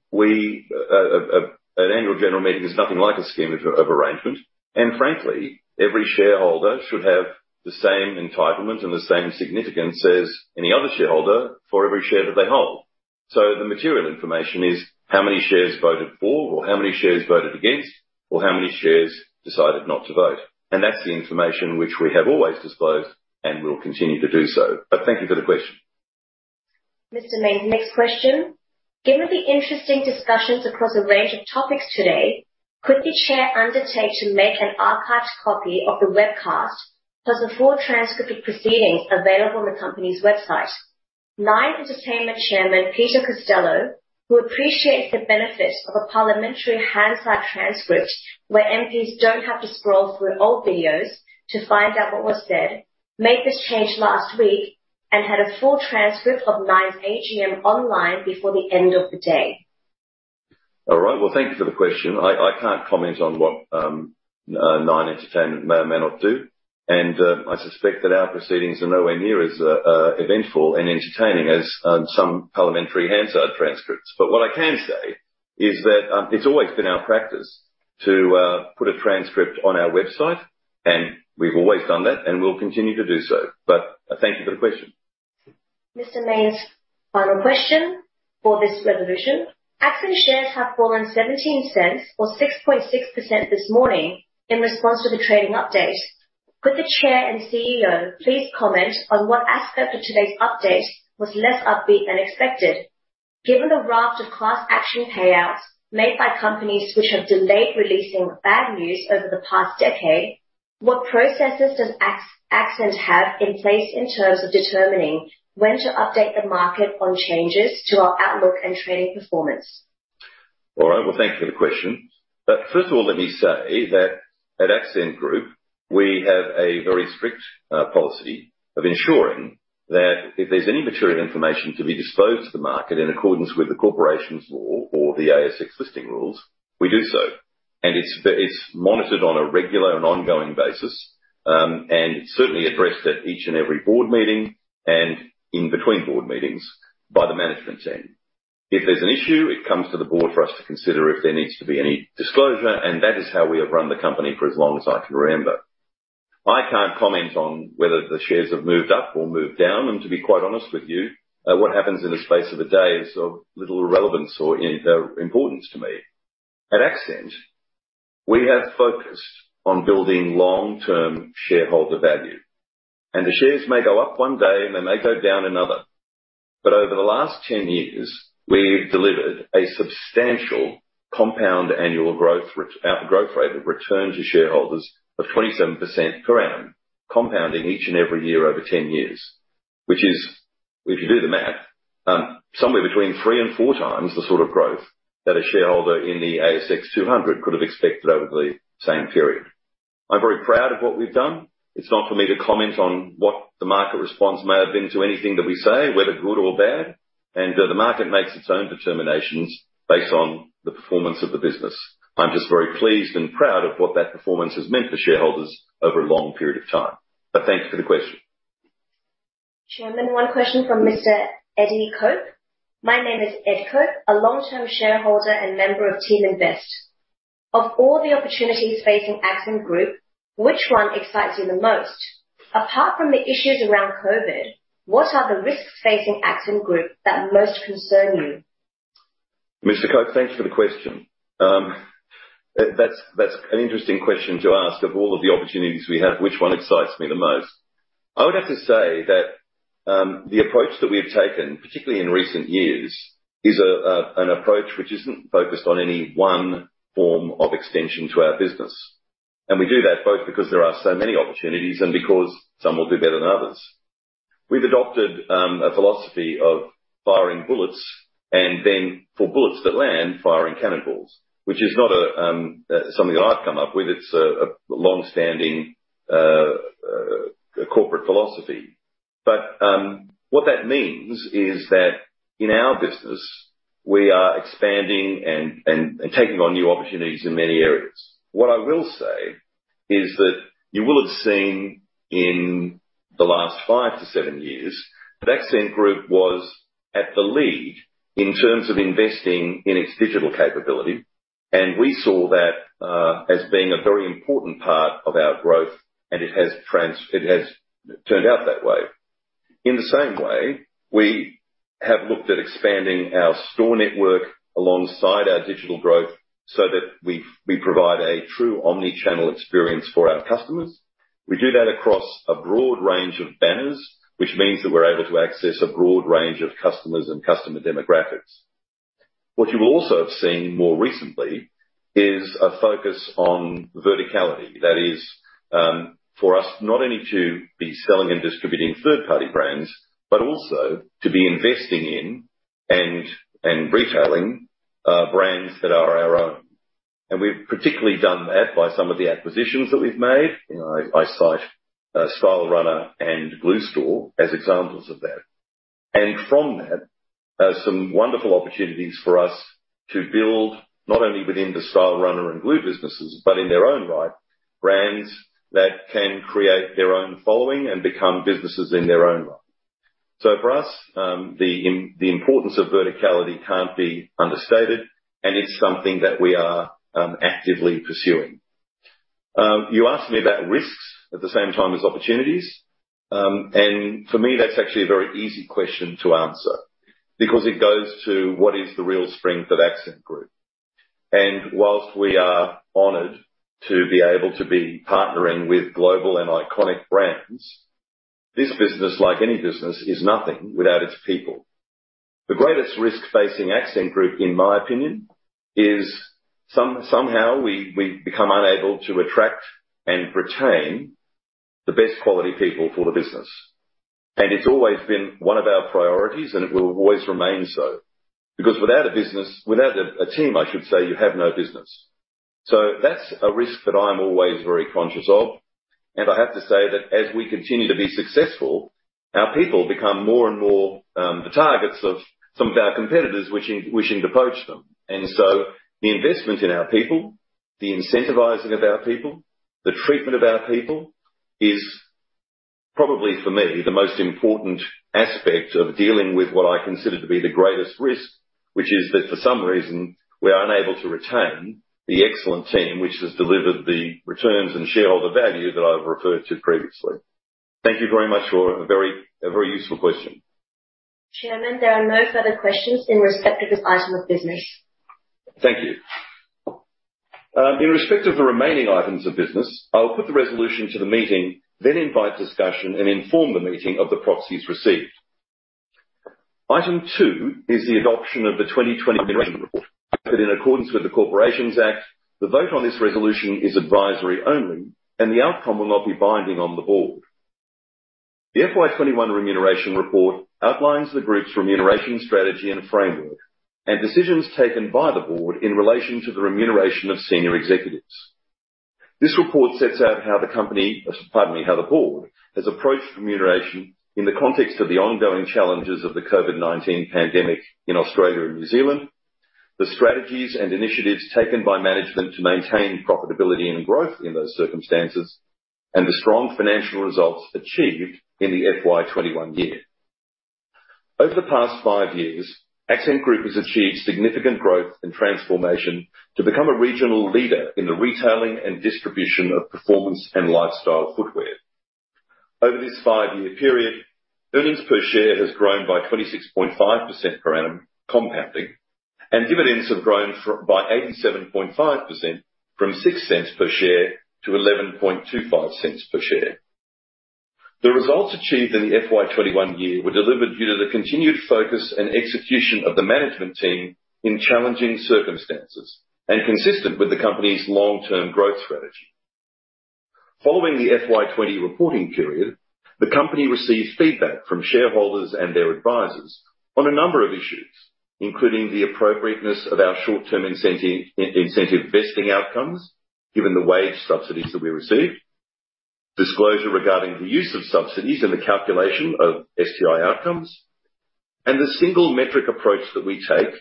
annual general meeting is nothing like a scheme of arrangement. Frankly, every shareholder should have the same entitlement and the same significance as any other shareholder for every share that they hold. The material information is how many shares voted for or how many shares voted against or how many shares decided not to vote. That's the information which we have always disclosed and will continue to do so. Thank you for the question. Mr. Mayne's next question. Given the interesting discussions across a range of topics today, could the chair undertake to make an archived copy of the webcast plus a full transcript of proceedings available on the company's website? Nine Entertainment Chairman Peter Costello, who appreciates the benefit of a parliamentary Hansard transcript where MPs don't have to scroll through old videos to find out what was said, made this change last week and had a full transcript of Nine's AGM online before the end of the day. All right. Well, thank you for the question. I can't comment on what Nine Entertainment may or may not do, and I suspect that our proceedings are nowhere near as eventful and entertaining as some parliamentary Hansard transcripts. What I can say is that it's always been our practice to put a transcript on our website, and we've always done that and will continue to do so. Thank you for the question. Mr. Mayne's final question for this resolution. Accent shares have fallen 0.17 or 6.6% this morning in response to the trading update. Could the chair and CEO please comment on what aspect of today's update was less upbeat than expected? Given the raft of class action payouts made by companies which have delayed releasing bad news over the past decade, what processes does Accent have in place in terms of determining when to update the market on changes to our outlook and trading performance? All right. Well, thank you for the question. First of all, let me say that at Accent Group, we have a very strict policy of ensuring that if there's any material information to be disclosed to the market in accordance with the corporations law or the ASX Listing Rules, we do so. It's monitored on a regular and ongoing basis, and certainly addressed at each and every board meeting and in between board meetings by the management team. If there's an issue, it comes to the board for us to consider if there needs to be any disclosure, and that is how we have run the company for as long as I can remember. I can't comment on whether the shares have moved up or moved down. To be quite honest with you, what happens in the space of a day is of little relevance or importance to me. At Accent, we have focused on building long-term shareholder value. The shares may go up one day and they may go down another. Over the last 10 years, we've delivered a substantial compound annual growth rate of return to shareholders of 27% per annum, compounding each and every year over 10 years. Which is, if you do the math, somewhere between three and four times the sort of growth that a shareholder in the ASX 200 could have expected over the same period. I'm very proud of what we've done. It's not for me to comment on what the market response may have been to anything that we say, whether good or bad, and the market makes its own determinations based on the performance of the business. I'm just very pleased and proud of what that performance has meant for shareholders over a long period of time. Thank you for the question. Chairman, one question from Mr. Ed Cope. My name is Ed Cope, a long-term shareholder and member of Teaminvest. Of all the opportunities facing Accent Group, which one excites you the most? Apart from the issues around COVID, what are the risks facing Accent Group that most concern you? Mr. Cope, thank you for the question. That's an interesting question to ask. Of all of the opportunities we have, which one excites me the most? I would have to say that the approach that we've taken, particularly in recent years, is an approach which isn't focused on any one form of extension to our business. We do that both because there are so many opportunities and because some will do better than others. We've adopted a philosophy of firing bullets and then for bullets that land, firing cannonballs, which is not something that I've come up with. It's a long-standing corporate philosophy. What that means is that in our business, we are expanding and taking on new opportunities in many areas. What I will say is that you will have seen in the last five to seven years that Accent Group was at the lead in terms of investing in its digital capability, and we saw that as being a very important part of our growth, and it has turned out that way. In the same way, we have looked at expanding our store network alongside our digital growth so that we provide a true omni-channel experience for our customers. We do that across a broad range of banners, which means that we're able to access a broad range of customers and customer demographics. What you will also have seen more recently is a focus on verticality. That is, for us not only to be selling and distributing third-party brands, but also to be investing in and retailing brands that are our own. We've particularly done that by some of the acquisitions that we've made. You know, I cite Stylerunner and Glue Store as examples of that. From that, some wonderful opportunities for us to build not only within the Stylerunner and Glue Store businesses, but in their own right, brands that can create their own following and become businesses in their own right. So for us, the importance of verticality can't be understated, and it's something that we are actively pursuing. You asked me about risks at the same time as opportunities. For me, that's actually a very easy question to answer because it goes to what is the real strength of Accent Group. While we are honored to be able to be partnering with global and iconic brands, this business, like any business, is nothing without its people. The greatest risk facing Accent Group, in my opinion, is somehow we become unable to attract and retain the best quality people for the business. It's always been one of our priorities, and it will always remain so. Because without a team, I should say, you have no business. That's a risk that I'm always very conscious of. I have to say that as we continue to be successful, our people become more and more the targets of some of our competitors wishing to poach them. The investment in our people, the incentivizing of our people, the treatment of our people is probably, for me, the most important aspect of dealing with what I consider to be the greatest risk, which is that for some reason, we are unable to retain the excellent team which has delivered the returns and shareholder value that I've referred to previously. Thank you very much for a very useful question. Chairman, there are no further questions in respect of this item of business. Thank you. In respect of the remaining items of business, I will put the resolution to the meeting, then invite discussion and inform the meeting of the proxies received. Item two is the adoption of the 2020 remuneration report. In accordance with the Corporations Act, the vote on this resolution is advisory only, and the outcome will not be binding on the board. The FY 2021 remuneration report outlines the group's remuneration strategy and framework and decisions taken by the board in relation to the remuneration of senior executives. This report sets out how the board has approached remuneration in the context of the ongoing challenges of the COVID-19 pandemic in Australia and New Zealand, the strategies and initiatives taken by management to maintain profitability and growth in those circumstances, and the strong financial results achieved in the FY 2021 year. Over the past five years, Accent Group has achieved significant growth and transformation to become a regional leader in the retailing and distribution of performance and lifestyle footwear. Over this five-year period, earnings per share has grown by 26.5% per annum compounding, and dividends have grown by 87.5% from 0.06 per share to 0.1125 per share. The results achieved in the FY 2021 year were delivered due to the continued focus and execution of the management team in challenging circumstances and consistent with the company's long-term growth strategy. Following the FY 2020 reporting period, the company received feedback from shareholders and their advisors on a number of issues, including the appropriateness of our short-term incentive vesting outcomes, given the wage subsidies that we received, disclosure regarding the use of subsidies in the calculation of STI outcomes, and the single metric approach that we take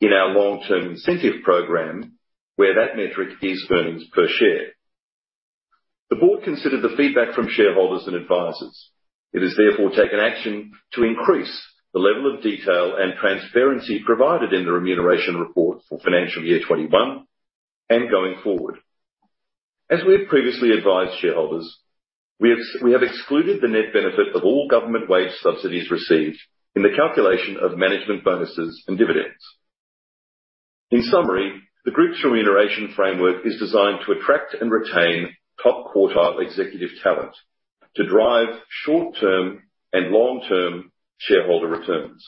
in our long-term incentive program, where that metric is earnings per share. The board considered the feedback from shareholders and advisors. It has therefore taken action to increase the level of detail and transparency provided in the remuneration report for financial year 2021 and going forward. As we have previously advised shareholders, we have excluded the net benefit of all government wage subsidies received in the calculation of management bonuses and dividends. In summary, the group's remuneration framework is designed to attract and retain top-quartile executive talent to drive short-term and long-term shareholder returns.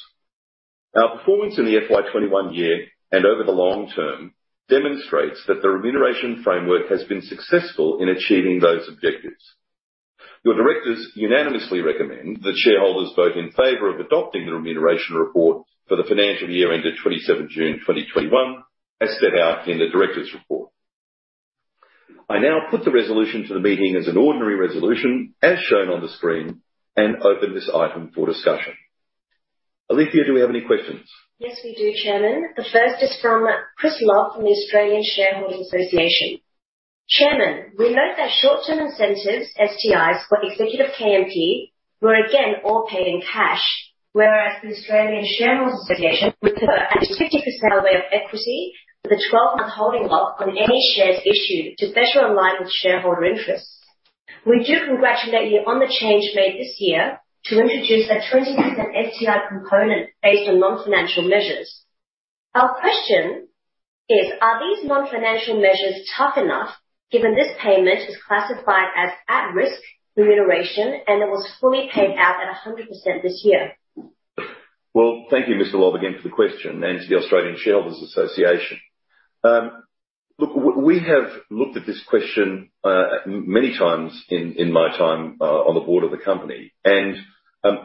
Our performance in the FY 2021 year and over the long term demonstrates that the remuneration framework has been successful in achieving those objectives. Your directors unanimously recommend that shareholders vote in favor of adopting the remuneration report for the financial year ended 27 June 2021, as set out in the directors' report. I now put the resolution to the meeting as an ordinary resolution as shown on the screen and open this item for discussion. Alethea, do we have any questions? Yes, we do, Chairman. The first is from Chris Lobb from the Australian Shareholders' Association. "Chairman, we note that short-term incentives, STIs for executive KMP were again all paid in cash, whereas the Australian Shareholders' Association would prefer a 50% in equity with a 12-month holding lock on any shares issued to better align with shareholder interests. We do congratulate you on the change made this year to introduce a 20% STI component based on non-financial measures. Our question. Yes. Are these non-financial measures tough enough given this payment is classified as at-risk remuneration and it was fully paid out at 100% this year? Well, thank you, Mr. Lobb, again for the question and to the Australian Shareholders' Association. Look, we have looked at this question many times in my time on the board of the company and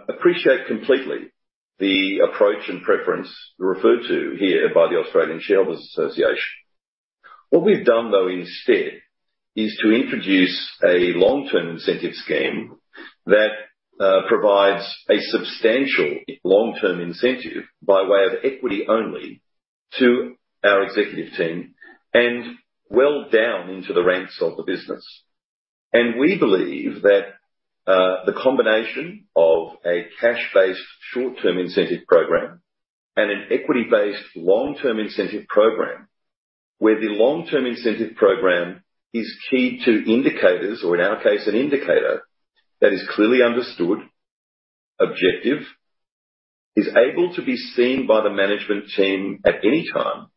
appreciate completely the approach and preference referred to here by the Australian Shareholders' Association. What we've done though instead is to introduce a long-term incentive scheme that provides a substantial long-term incentive by way of equity only to our executive team and well down into the ranks of the business. We believe that the combination of a cash-based short-term incentive program and an equity-based long-term incentive program, where the long-term incentive program is key to indicators or in our case an indicator that is clearly understood, objective, is able to be seen by the management team at any time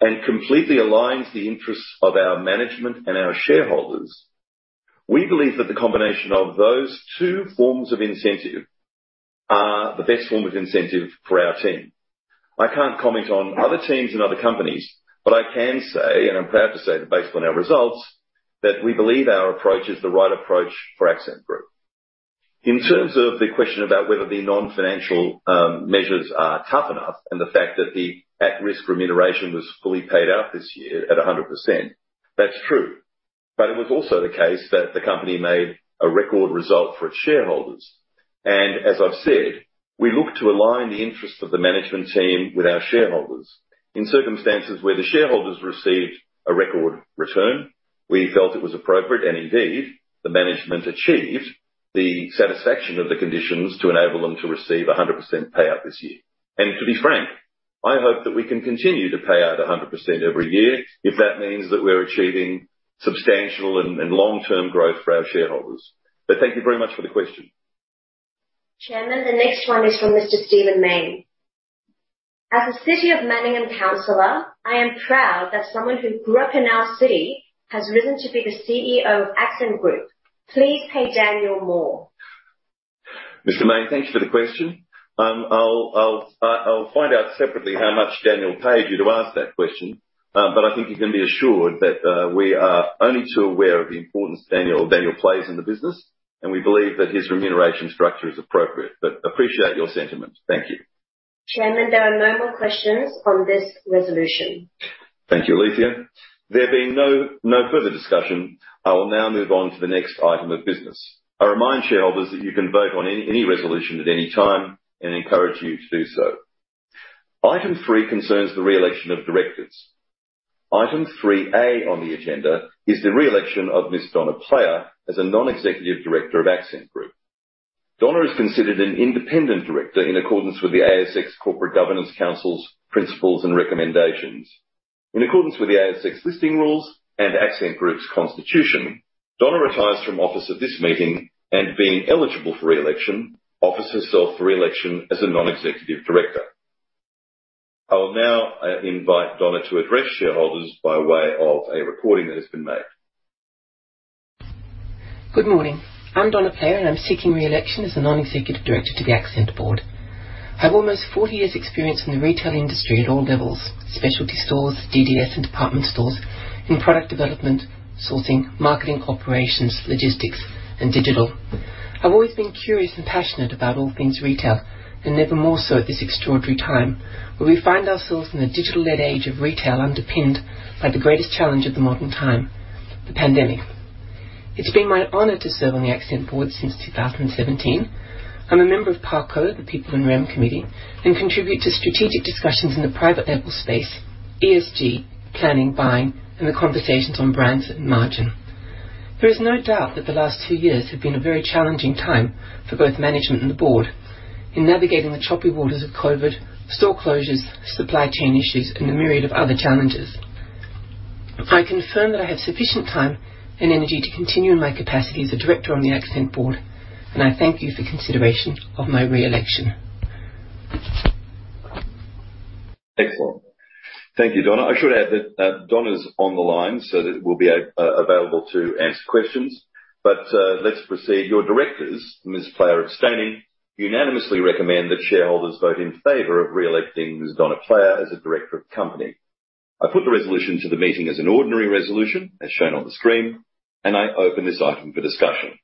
and completely aligns the interests of our management and our shareholders. We believe that the combination of those two forms of incentive are the best form of incentive for our team. I can't comment on other teams and other companies, but I can say, and I'm proud to say that based on our results, that we believe our approach is the right approach for Accent Group. In terms of the question about whether the non-financial measures are tough enough and the fact that the at-risk remuneration was fully paid out this year at 100%. That's true. It was also the case that the company made a record result for its shareholders. As I've said, we look to align the interests of the management team with our shareholders. In circumstances where the shareholders received a record return, we felt it was appropriate, and indeed the management achieved the satisfaction of the conditions to enable them to receive a 100% payout this year. To be frank, I hope that we can continue to pay out a 100% every year if that means that we're achieving substantial and long-term growth for our shareholders. Thank you very much for the question. Chairman, the next one is from Mr. Stephen Mayne. As a City of Manningham councilor, I am proud that someone who grew up in our city has risen to be the CEO of Accent Group. Please pay Daniel more. Mr. Mayne, thank you for the question. I'll find out separately how much Daniel paid you to ask that question. I think you can be assured that we are only too aware of the importance Daniel plays in the business, and we believe that his remuneration structure is appropriate. Appreciate your sentiment. Thank you. Chairman, there are no more questions on this resolution. Thank you, Alethea. There being no further discussion, I will now move on to the next item of business. I remind shareholders that you can vote on any resolution at any time and encourage you to do so. Item three concerns the reelection of directors. Item three A on the agenda is the reelection of Ms. Donna Player as a Non-Executive Director of Accent Group. Donna is considered an independent director in accordance with the ASX Corporate Governance Council's principles and recommendations. In accordance with the ASX Listing Rules and Accent Group's constitution, Donna retires from office at this meeting, and being eligible for reelection, offers herself for reelection as a Non-Executive Director. I will now invite Donna to address shareholders by way of a recording that has been made. Good morning. I'm Donna Player, and I'm seeking reelection as a Non-Executive Director to the Accent board. I have almost forty years' experience in the retail industry at all levels, specialty stores, DDS and department stores in product development, sourcing, marketing, operations, logistics, and digital. I've always been curious and passionate about all things retail and never more so at this extraordinary time, where we find ourselves in a digital-led age of retail underpinned by the greatest challenge of the modern time, the pandemic. It's been my honor to serve on the Accent board since 2017. I'm a member of P&R Co, the People and Remuneration Committee, and contribute to strategic discussions in the private label space, ESG, planning, buying, and the conversations on brands and margin. There is no doubt that the last two years have been a very challenging time for both management and the board in navigating the choppy waters of COVID, store closures, supply chain issues, and a myriad of other challenges. I confirm that I have sufficient time and energy to continue in my capacity as a director on the Accent board, and I thank you for consideration of my reelection. Excellent. Thank you, Donna. I should add that Donna's on the line, so that we'll be available to answer questions. Let's proceed. Your directors, Ms. Player abstaining, unanimously recommend that shareholders vote in favor of reelecting Ms. Donna Player as a director of the company. I put the resolution to the meeting as an ordinary resolution, as shown on the screen, and I open this item for discussion.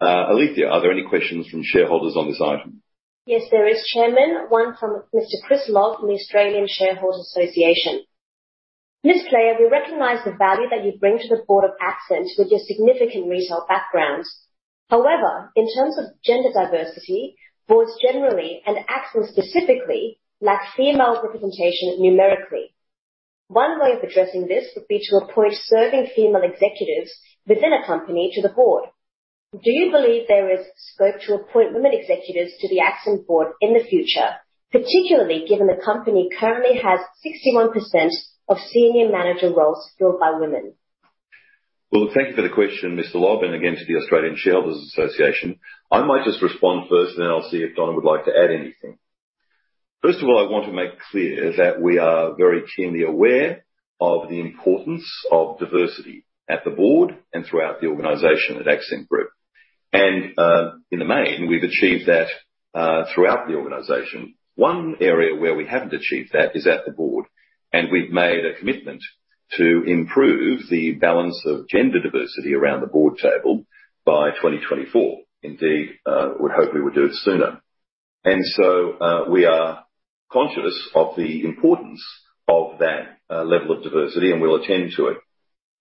Alethea, are there any questions from shareholders on this item? Yes, there is, Chairman. One from Mr. Chris Lobb from the Australian Shareholders' Association. Ms. Player, we recognize the value that you bring to the board of Accent with your significant retail background. However, in terms of gender diversity, boards generally, and Accent specifically, lack female representation numerically. One way of addressing this would be to appoint serving female executives within a company to the board. Do you believe there is scope to appoint women executives to the Accent board in the future, particularly given the company currently has 61% of senior manager roles filled by women? Well, thank you for the question, Mr. Lobb, and again to the Australian Shareholders' Association. I might just respond first, and then I'll see if Donna would like to add anything. First of all, I want to make clear that we are very keenly aware of the importance of diversity at the board and throughout the organization at Accent Group. In the main, we've achieved that throughout the organization. One area where we haven't achieved that is at the board, and we've made a commitment to improve the balance of gender diversity around the board table by 2024. Indeed, we hope we would do it sooner. We are conscious of the importance of that level of diversity, and we'll attend to it.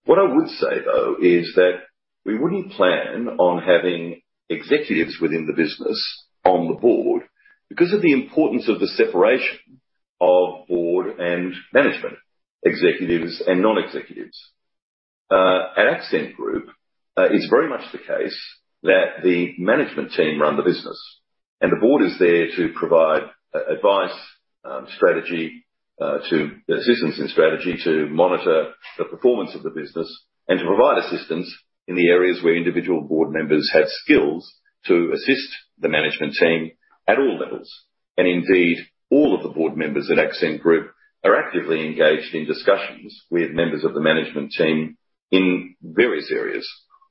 What I would say, though, is that we wouldn't plan on having executives within the business on the board because of the importance of the separation of board and management executives and non-executives. At Accent Group, it's very much the case that the management team run the business and the board is there to provide advice, strategy, assistance in strategy, to monitor the performance of the business and to provide assistance in the areas where individual board members have skills to assist the management team at all levels. Indeed, all of the board members at Accent Group are actively engaged in discussions with members of the management team in various areas,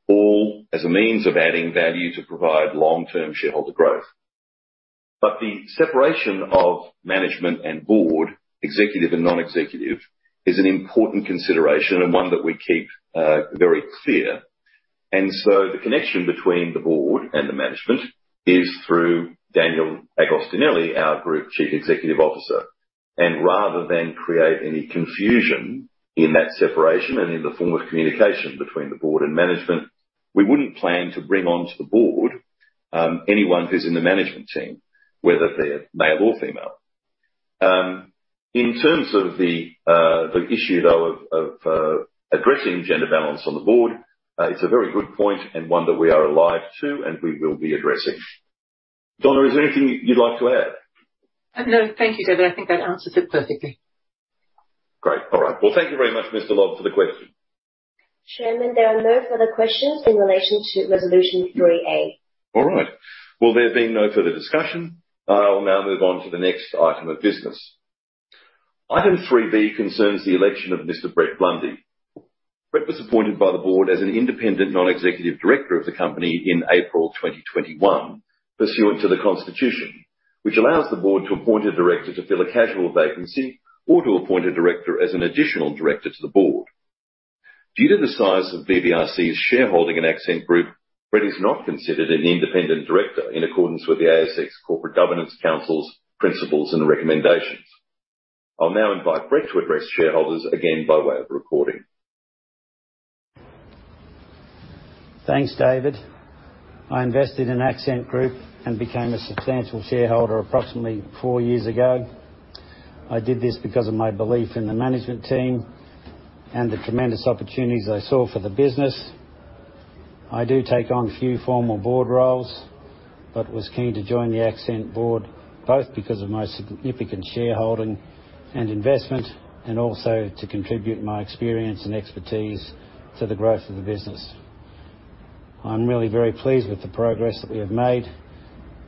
all as a means of adding value to provide long-term shareholder growth. The separation of management and board, executive and non-executive, is an important consideration and one that we keep very clear. The connection between the board and the management is through Daniel Agostinelli, our Group Chief Executive Officer. Rather than create any confusion in that separation and in the form of communication between the board and management, we wouldn't plan to bring onto the board anyone who's in the management team, whether they're male or female. In terms of the issue, though, of addressing gender balance on the board, it's a very good point and one that we are alive to and we will be addressing. Donna, is there anything you'd like to add? No, thank you, David. I think that answers it perfectly. Great. All right. Well, thank you very much, Mr. Lobb, for the question. Chairman, there are no further questions in relation to resolution 3A. All right. Well, there being no further discussion, I will now move on to the next item of business. Item 3B concerns the election of Mr. Brett Blundy. Brett was appointed by the board as an independent non-executive director of the company in April 2021 pursuant to the constitution, which allows the board to appoint a director to fill a casual vacancy or to appoint a director as an additional director to the board. Due to the size of BBRC's shareholding in Accent Group, Brett is not considered an independent director in accordance with the ASX Corporate Governance Council's principles and recommendations. I'll now invite Brett to address shareholders again by way of recording. Thanks, David. I invested in Accent Group and became a substantial shareholder approximately four years ago. I did this because of my belief in the management team and the tremendous opportunities I saw for the business. I do take on few formal board roles, but was keen to join the Accent board both because of my significant shareholding and investment and also to contribute my experience and expertise to the growth of the business. I'm really very pleased with the progress that we have made,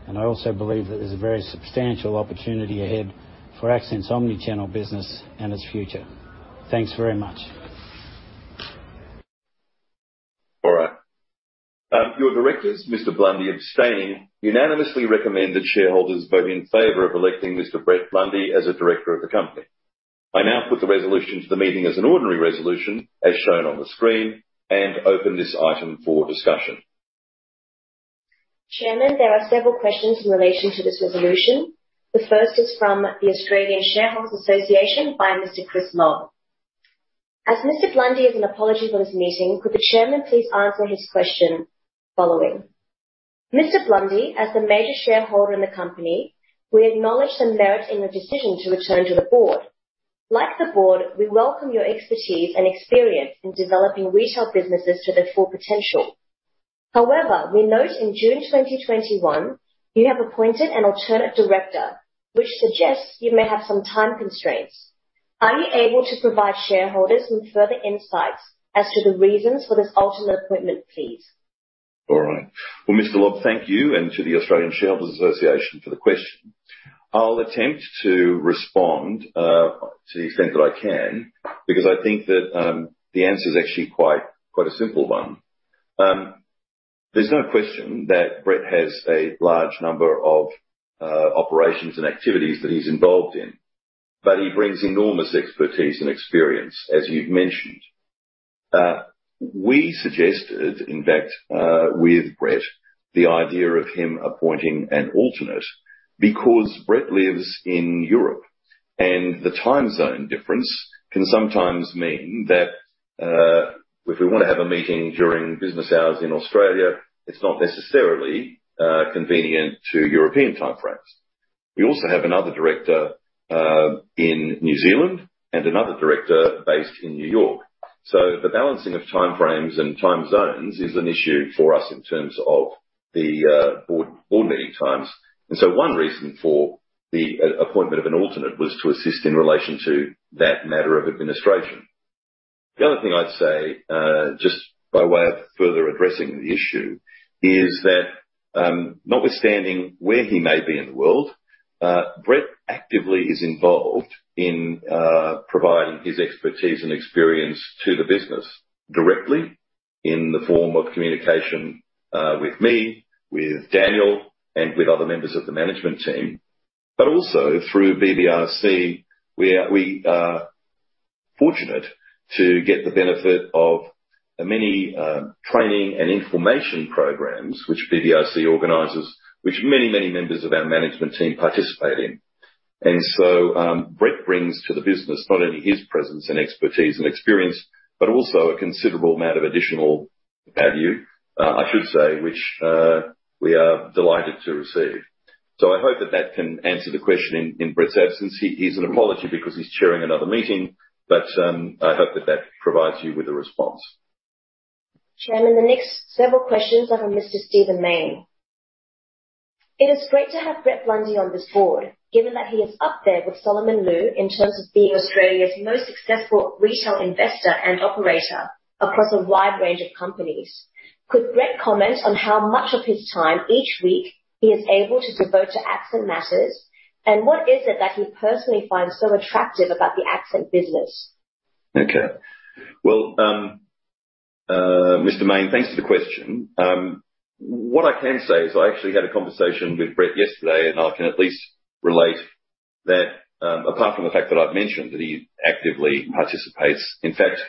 and I also believe that there's a very substantial opportunity ahead for Accent's omni-channel business and its future. Thanks very much. All right. Your directors, Mr. Blundy abstaining, unanimously recommend that shareholders vote in favor of electing Mr. Brett Blundy as a director of the company. I now put the resolution to the meeting as an ordinary resolution as shown on the screen and open this item for discussion. Chairman, there are several questions in relation to this resolution. The first is from the Australian Shareholders' Association by Mr. Chris Lobb. As Mr. Blundy is an apology for this meeting, could the chairman please answer his question following? Mr. Blundy, as the major shareholder in the company, we acknowledge the merit in your decision to return to the board. Like the board, we welcome your expertise and experience in developing retail businesses to their full potential. However, we note in June 2021, you have appointed an alternate director, which suggests you may have some time constraints. Are you able to provide shareholders with further insights as to the reasons for this alternate appointment, please? All right. Well, Mr. Lobb, thank you, and to the Australian Shareholders' Association for the question. I'll attempt to respond to the extent that I can because I think that the answer is actually quite a simple one. There's no question that Brett has a large number of operations and activities that he's involved in, but he brings enormous expertise and experience, as you've mentioned. We suggested, in fact, with Brett, the idea of him appointing an alternate because Brett lives in Europe, and the time zone difference can sometimes mean that if we wanna have a meeting during business hours in Australia, it's not necessarily convenient to European time frames. We also have another director in New Zealand and another director based in New York. The balancing of time frames and time zones is an issue for us in terms of the board meeting times. One reason for the appointment of an alternate was to assist in relation to that matter of administration. The other thing I'd say, just by way of further addressing the issue is that, notwithstanding where he may be in the world, Brett actively is involved in providing his expertise and experience to the business directly in the form of communication with me, with Daniel, and with other members of the management team, but also through BBRC, where we are fortunate to get the benefit of the many training and information programs which BBRC organizes, which many members of our management team participate in. Brett brings to the business not only his presence and expertise and experience, but also a considerable amount of additional value, I should say, which we are delighted to receive. I hope that can answer the question in Brett's absence. He sends his apologies because he's chairing another meeting, but I hope that provides you with a response. Chairman, the next several questions are from Mr. Stephen Mayne. It is great to have Brett Blundy on this board, given that he is up there with Solomon Lew in terms of being Australia's most successful retail investor and operator across a wide range of companies. Could Brett comment on how much of his time each week he is able to devote to Accent matters? What is it that he personally finds so attractive about the Accent business? Okay. Well, Mr. Mayne, thanks for the question. What I can say is I actually had a conversation with Brett yesterday, and I can at least relate that, apart from the fact that I've mentioned that he actively participates. In fact,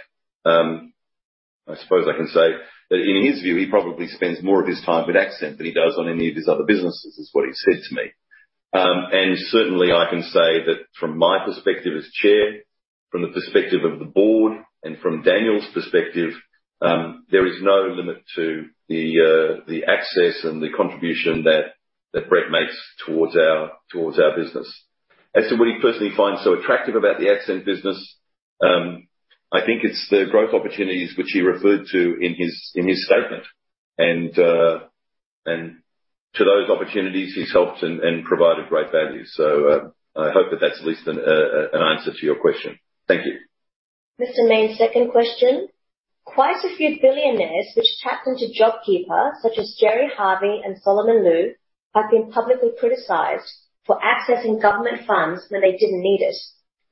I suppose I can say that in his view, he probably spends more of his time with Accent than he does on any of his other businesses, is what he said to me. Certainly, I can say that from my perspective as Chair, from the perspective of the Board and from Daniel's perspective, there is no limit to the access and the contribution that Brett makes towards our business. As to what he personally finds so attractive about the Accent business, I think it's the growth opportunities which he referred to in his statement. To those opportunities, he's helped and provided great value. I hope that that's at least an answer to your question. Thank you. Mr. Mayne's second question. Quite a few billionaires which tapped into JobKeeper, such as Gerry Harvey and Solomon Lew, have been publicly criticized for accessing government funds when they didn't need it.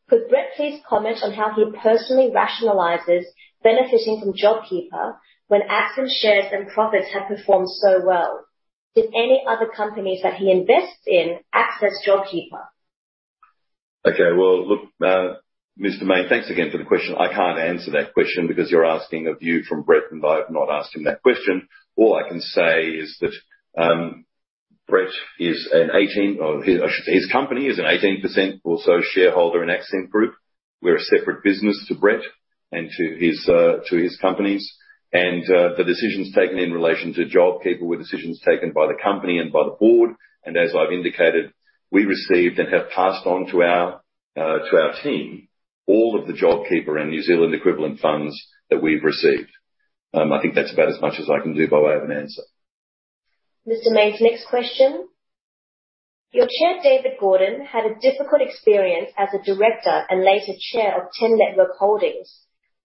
Could Brett please comment on how he personally rationalizes benefiting from JobKeeper when Accent shares and profits have performed so well? Did any other companies that he invests in access JobKeeper? Okay. Well, look, Mr. Mayne, thanks again for the question. I can't answer that question because you're asking a view from Brett, and I've not asked him that question. All I can say is that, his company is an 18% shareholder in Accent Group. We're a separate business to Brett and to his companies. The decisions taken in relation to JobKeeper were decisions taken by the company and by the board. As I've indicated, we received and have passed on to our team all of the JobKeeper and New Zealand equivalent funds that we've received. I think that's about as much as I can do by way of an answer. Mr. Mayne's next question. Your Chair, David Gordon, had a difficult experience as a Director and later Chair of Ten Network Holdings,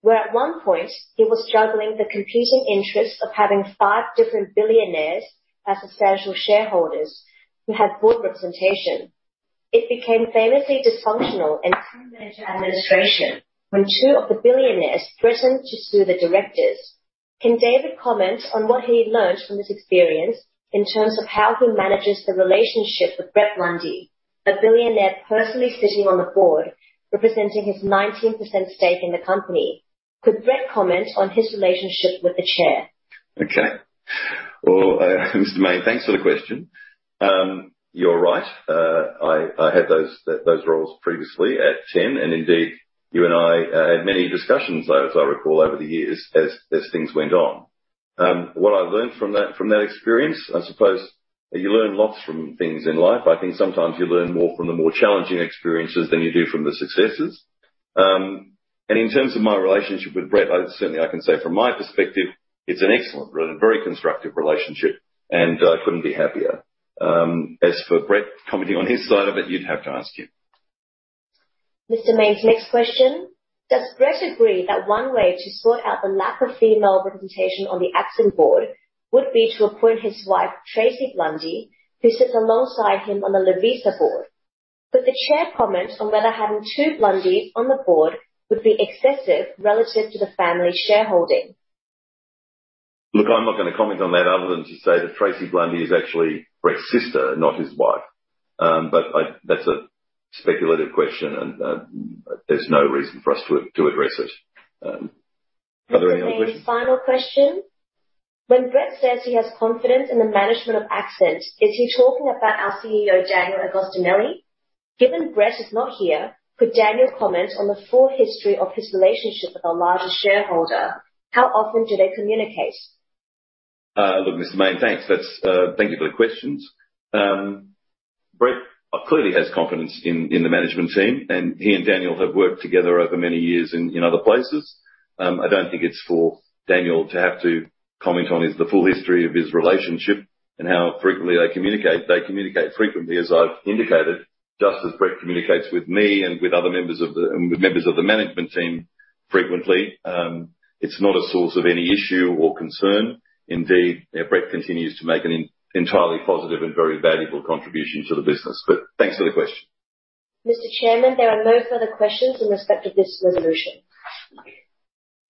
where at one point he was juggling the competing interests of having five different billionaires as substantial shareholders who had board representation. It became famously dysfunctional and came under administration when two of the billionaires threatened to sue the directors. Can David comment on what he learned from this experience in terms of how he manages the relationship with Brett Blundy, a billionaire personally sitting on the board, representing his 19% stake in the company? Could Brett comment on his relationship with the Chair? Okay. Well, Mr. Mayne, thanks for the question. You're right. I had those roles previously at Ten, and indeed, you and I had many discussions, as I recall over the years, as things went on. What I learned from that experience, I suppose you learn lots from things in life. I think sometimes you learn more from the more challenging experiences than you do from the successes. In terms of my relationship with Brett, certainly I can say from my perspective, it's an excellent and very constructive relationship, and I couldn't be happier. As for Brett commenting on his side of it, you'd have to ask him. Mr. Mayne's next question. Does Brett agree that one way to sort out the lack of female representation on the Accent board would be to appoint his wife, Tracey Blundy, who sits alongside him on the Lovisa board? Could the chair comment on whether having two Blundy on the board would be excessive relative to the family shareholding? Look, I'm not gonna comment on that other than to say that Tracey Blundy is actually Brett's sister, not his wife. That's a speculative question, and there's no reason for us to address it. Are there any other questions? Mr. Mayne's final question. When Brett says he has confidence in the management of Accent, is he talking about our CEO, Daniel Agostinelli? Given Brett is not here, could Daniel comment on the full history of his relationship with the largest shareholder? How often do they communicate? Look, Mr. Mayne, thanks. That's. Thank you for the questions. Brett clearly has confidence in the management team, and he and Daniel have worked together over many years in other places. I don't think it's for Daniel to have to comment on the full history of his relationship and how frequently they communicate. They communicate frequently, as I've indicated, just as Brett communicates with me and with other members of the management team frequently. It's not a source of any issue or concern. Indeed, Brett continues to make an entirely positive and very valuable contribution to the business. Thanks for the question. Mr. Chairman, there are no further questions in respect of this resolution.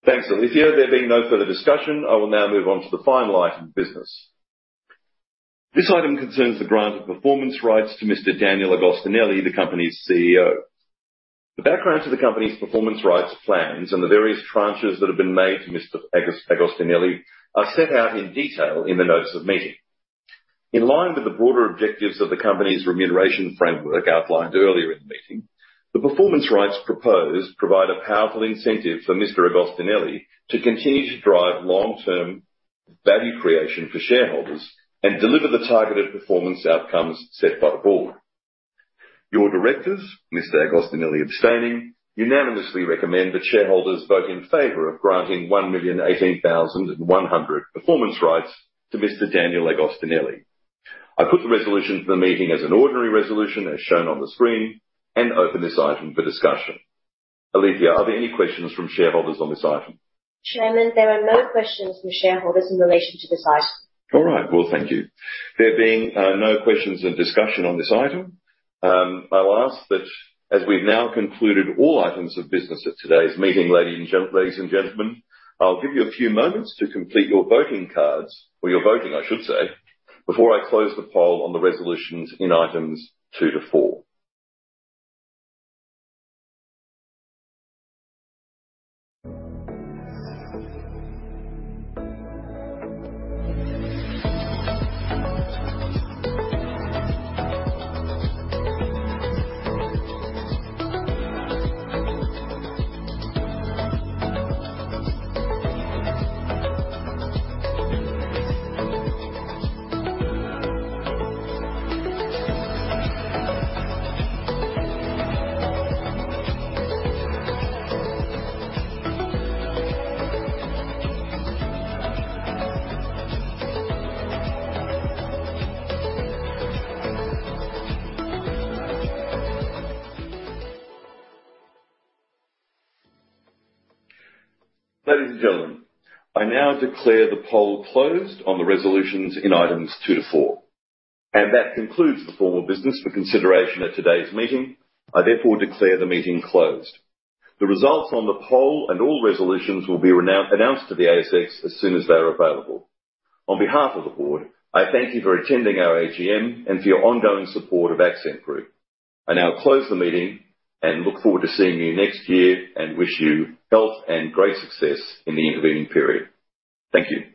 Thanks, Alethea. There being no further discussion, I will now move on to the final item of business. This item concerns the grant of performance rights to Mr. Daniel Agostinelli, the company's CEO. The background to the company's performance rights plans and the various tranches that have been made to Mr. Agostinelli are set out in detail in the notes of meeting. In line with the broader objectives of the company's remuneration framework outlined earlier in the meeting, the performance rights proposed provide a powerful incentive for Mr. Agostinelli to continue to drive long-term value creation for shareholders and deliver the targeted performance outcomes set by the board. Your directors, Mr. Agostinelli abstaining, unanimously recommend that shareholders vote in favor of granting 1,018,100 performance rights to Mr. Daniel Agostinelli. I put the resolution to the meeting as an ordinary resolution as shown on the screen and open this item for discussion. Alethea, are there any questions from shareholders on this item? Chairman, there are no questions from shareholders in relation to this item. All right. Well, thank you. There being no questions or discussion on this item, I will ask that as we've now concluded all items of business at today's meeting, ladies and gentlemen, I'll give you a few moments to complete your voting cards or your voting, I should say, before I close the poll on the resolutions in items two to four. Ladies and gentlemen, I now declare the poll closed on the resolutions in items two to four. That concludes the formal business for consideration at today's meeting. I therefore declare the meeting closed. The results on the poll and all resolutions will be announced to the ASX as soon as they are available. On behalf of the board, I thank you for attending our AGM and for your ongoing support of Accent Group. I now close the meeting and look forward to seeing you next year and wish you health and great success in the intervening period. Thank you.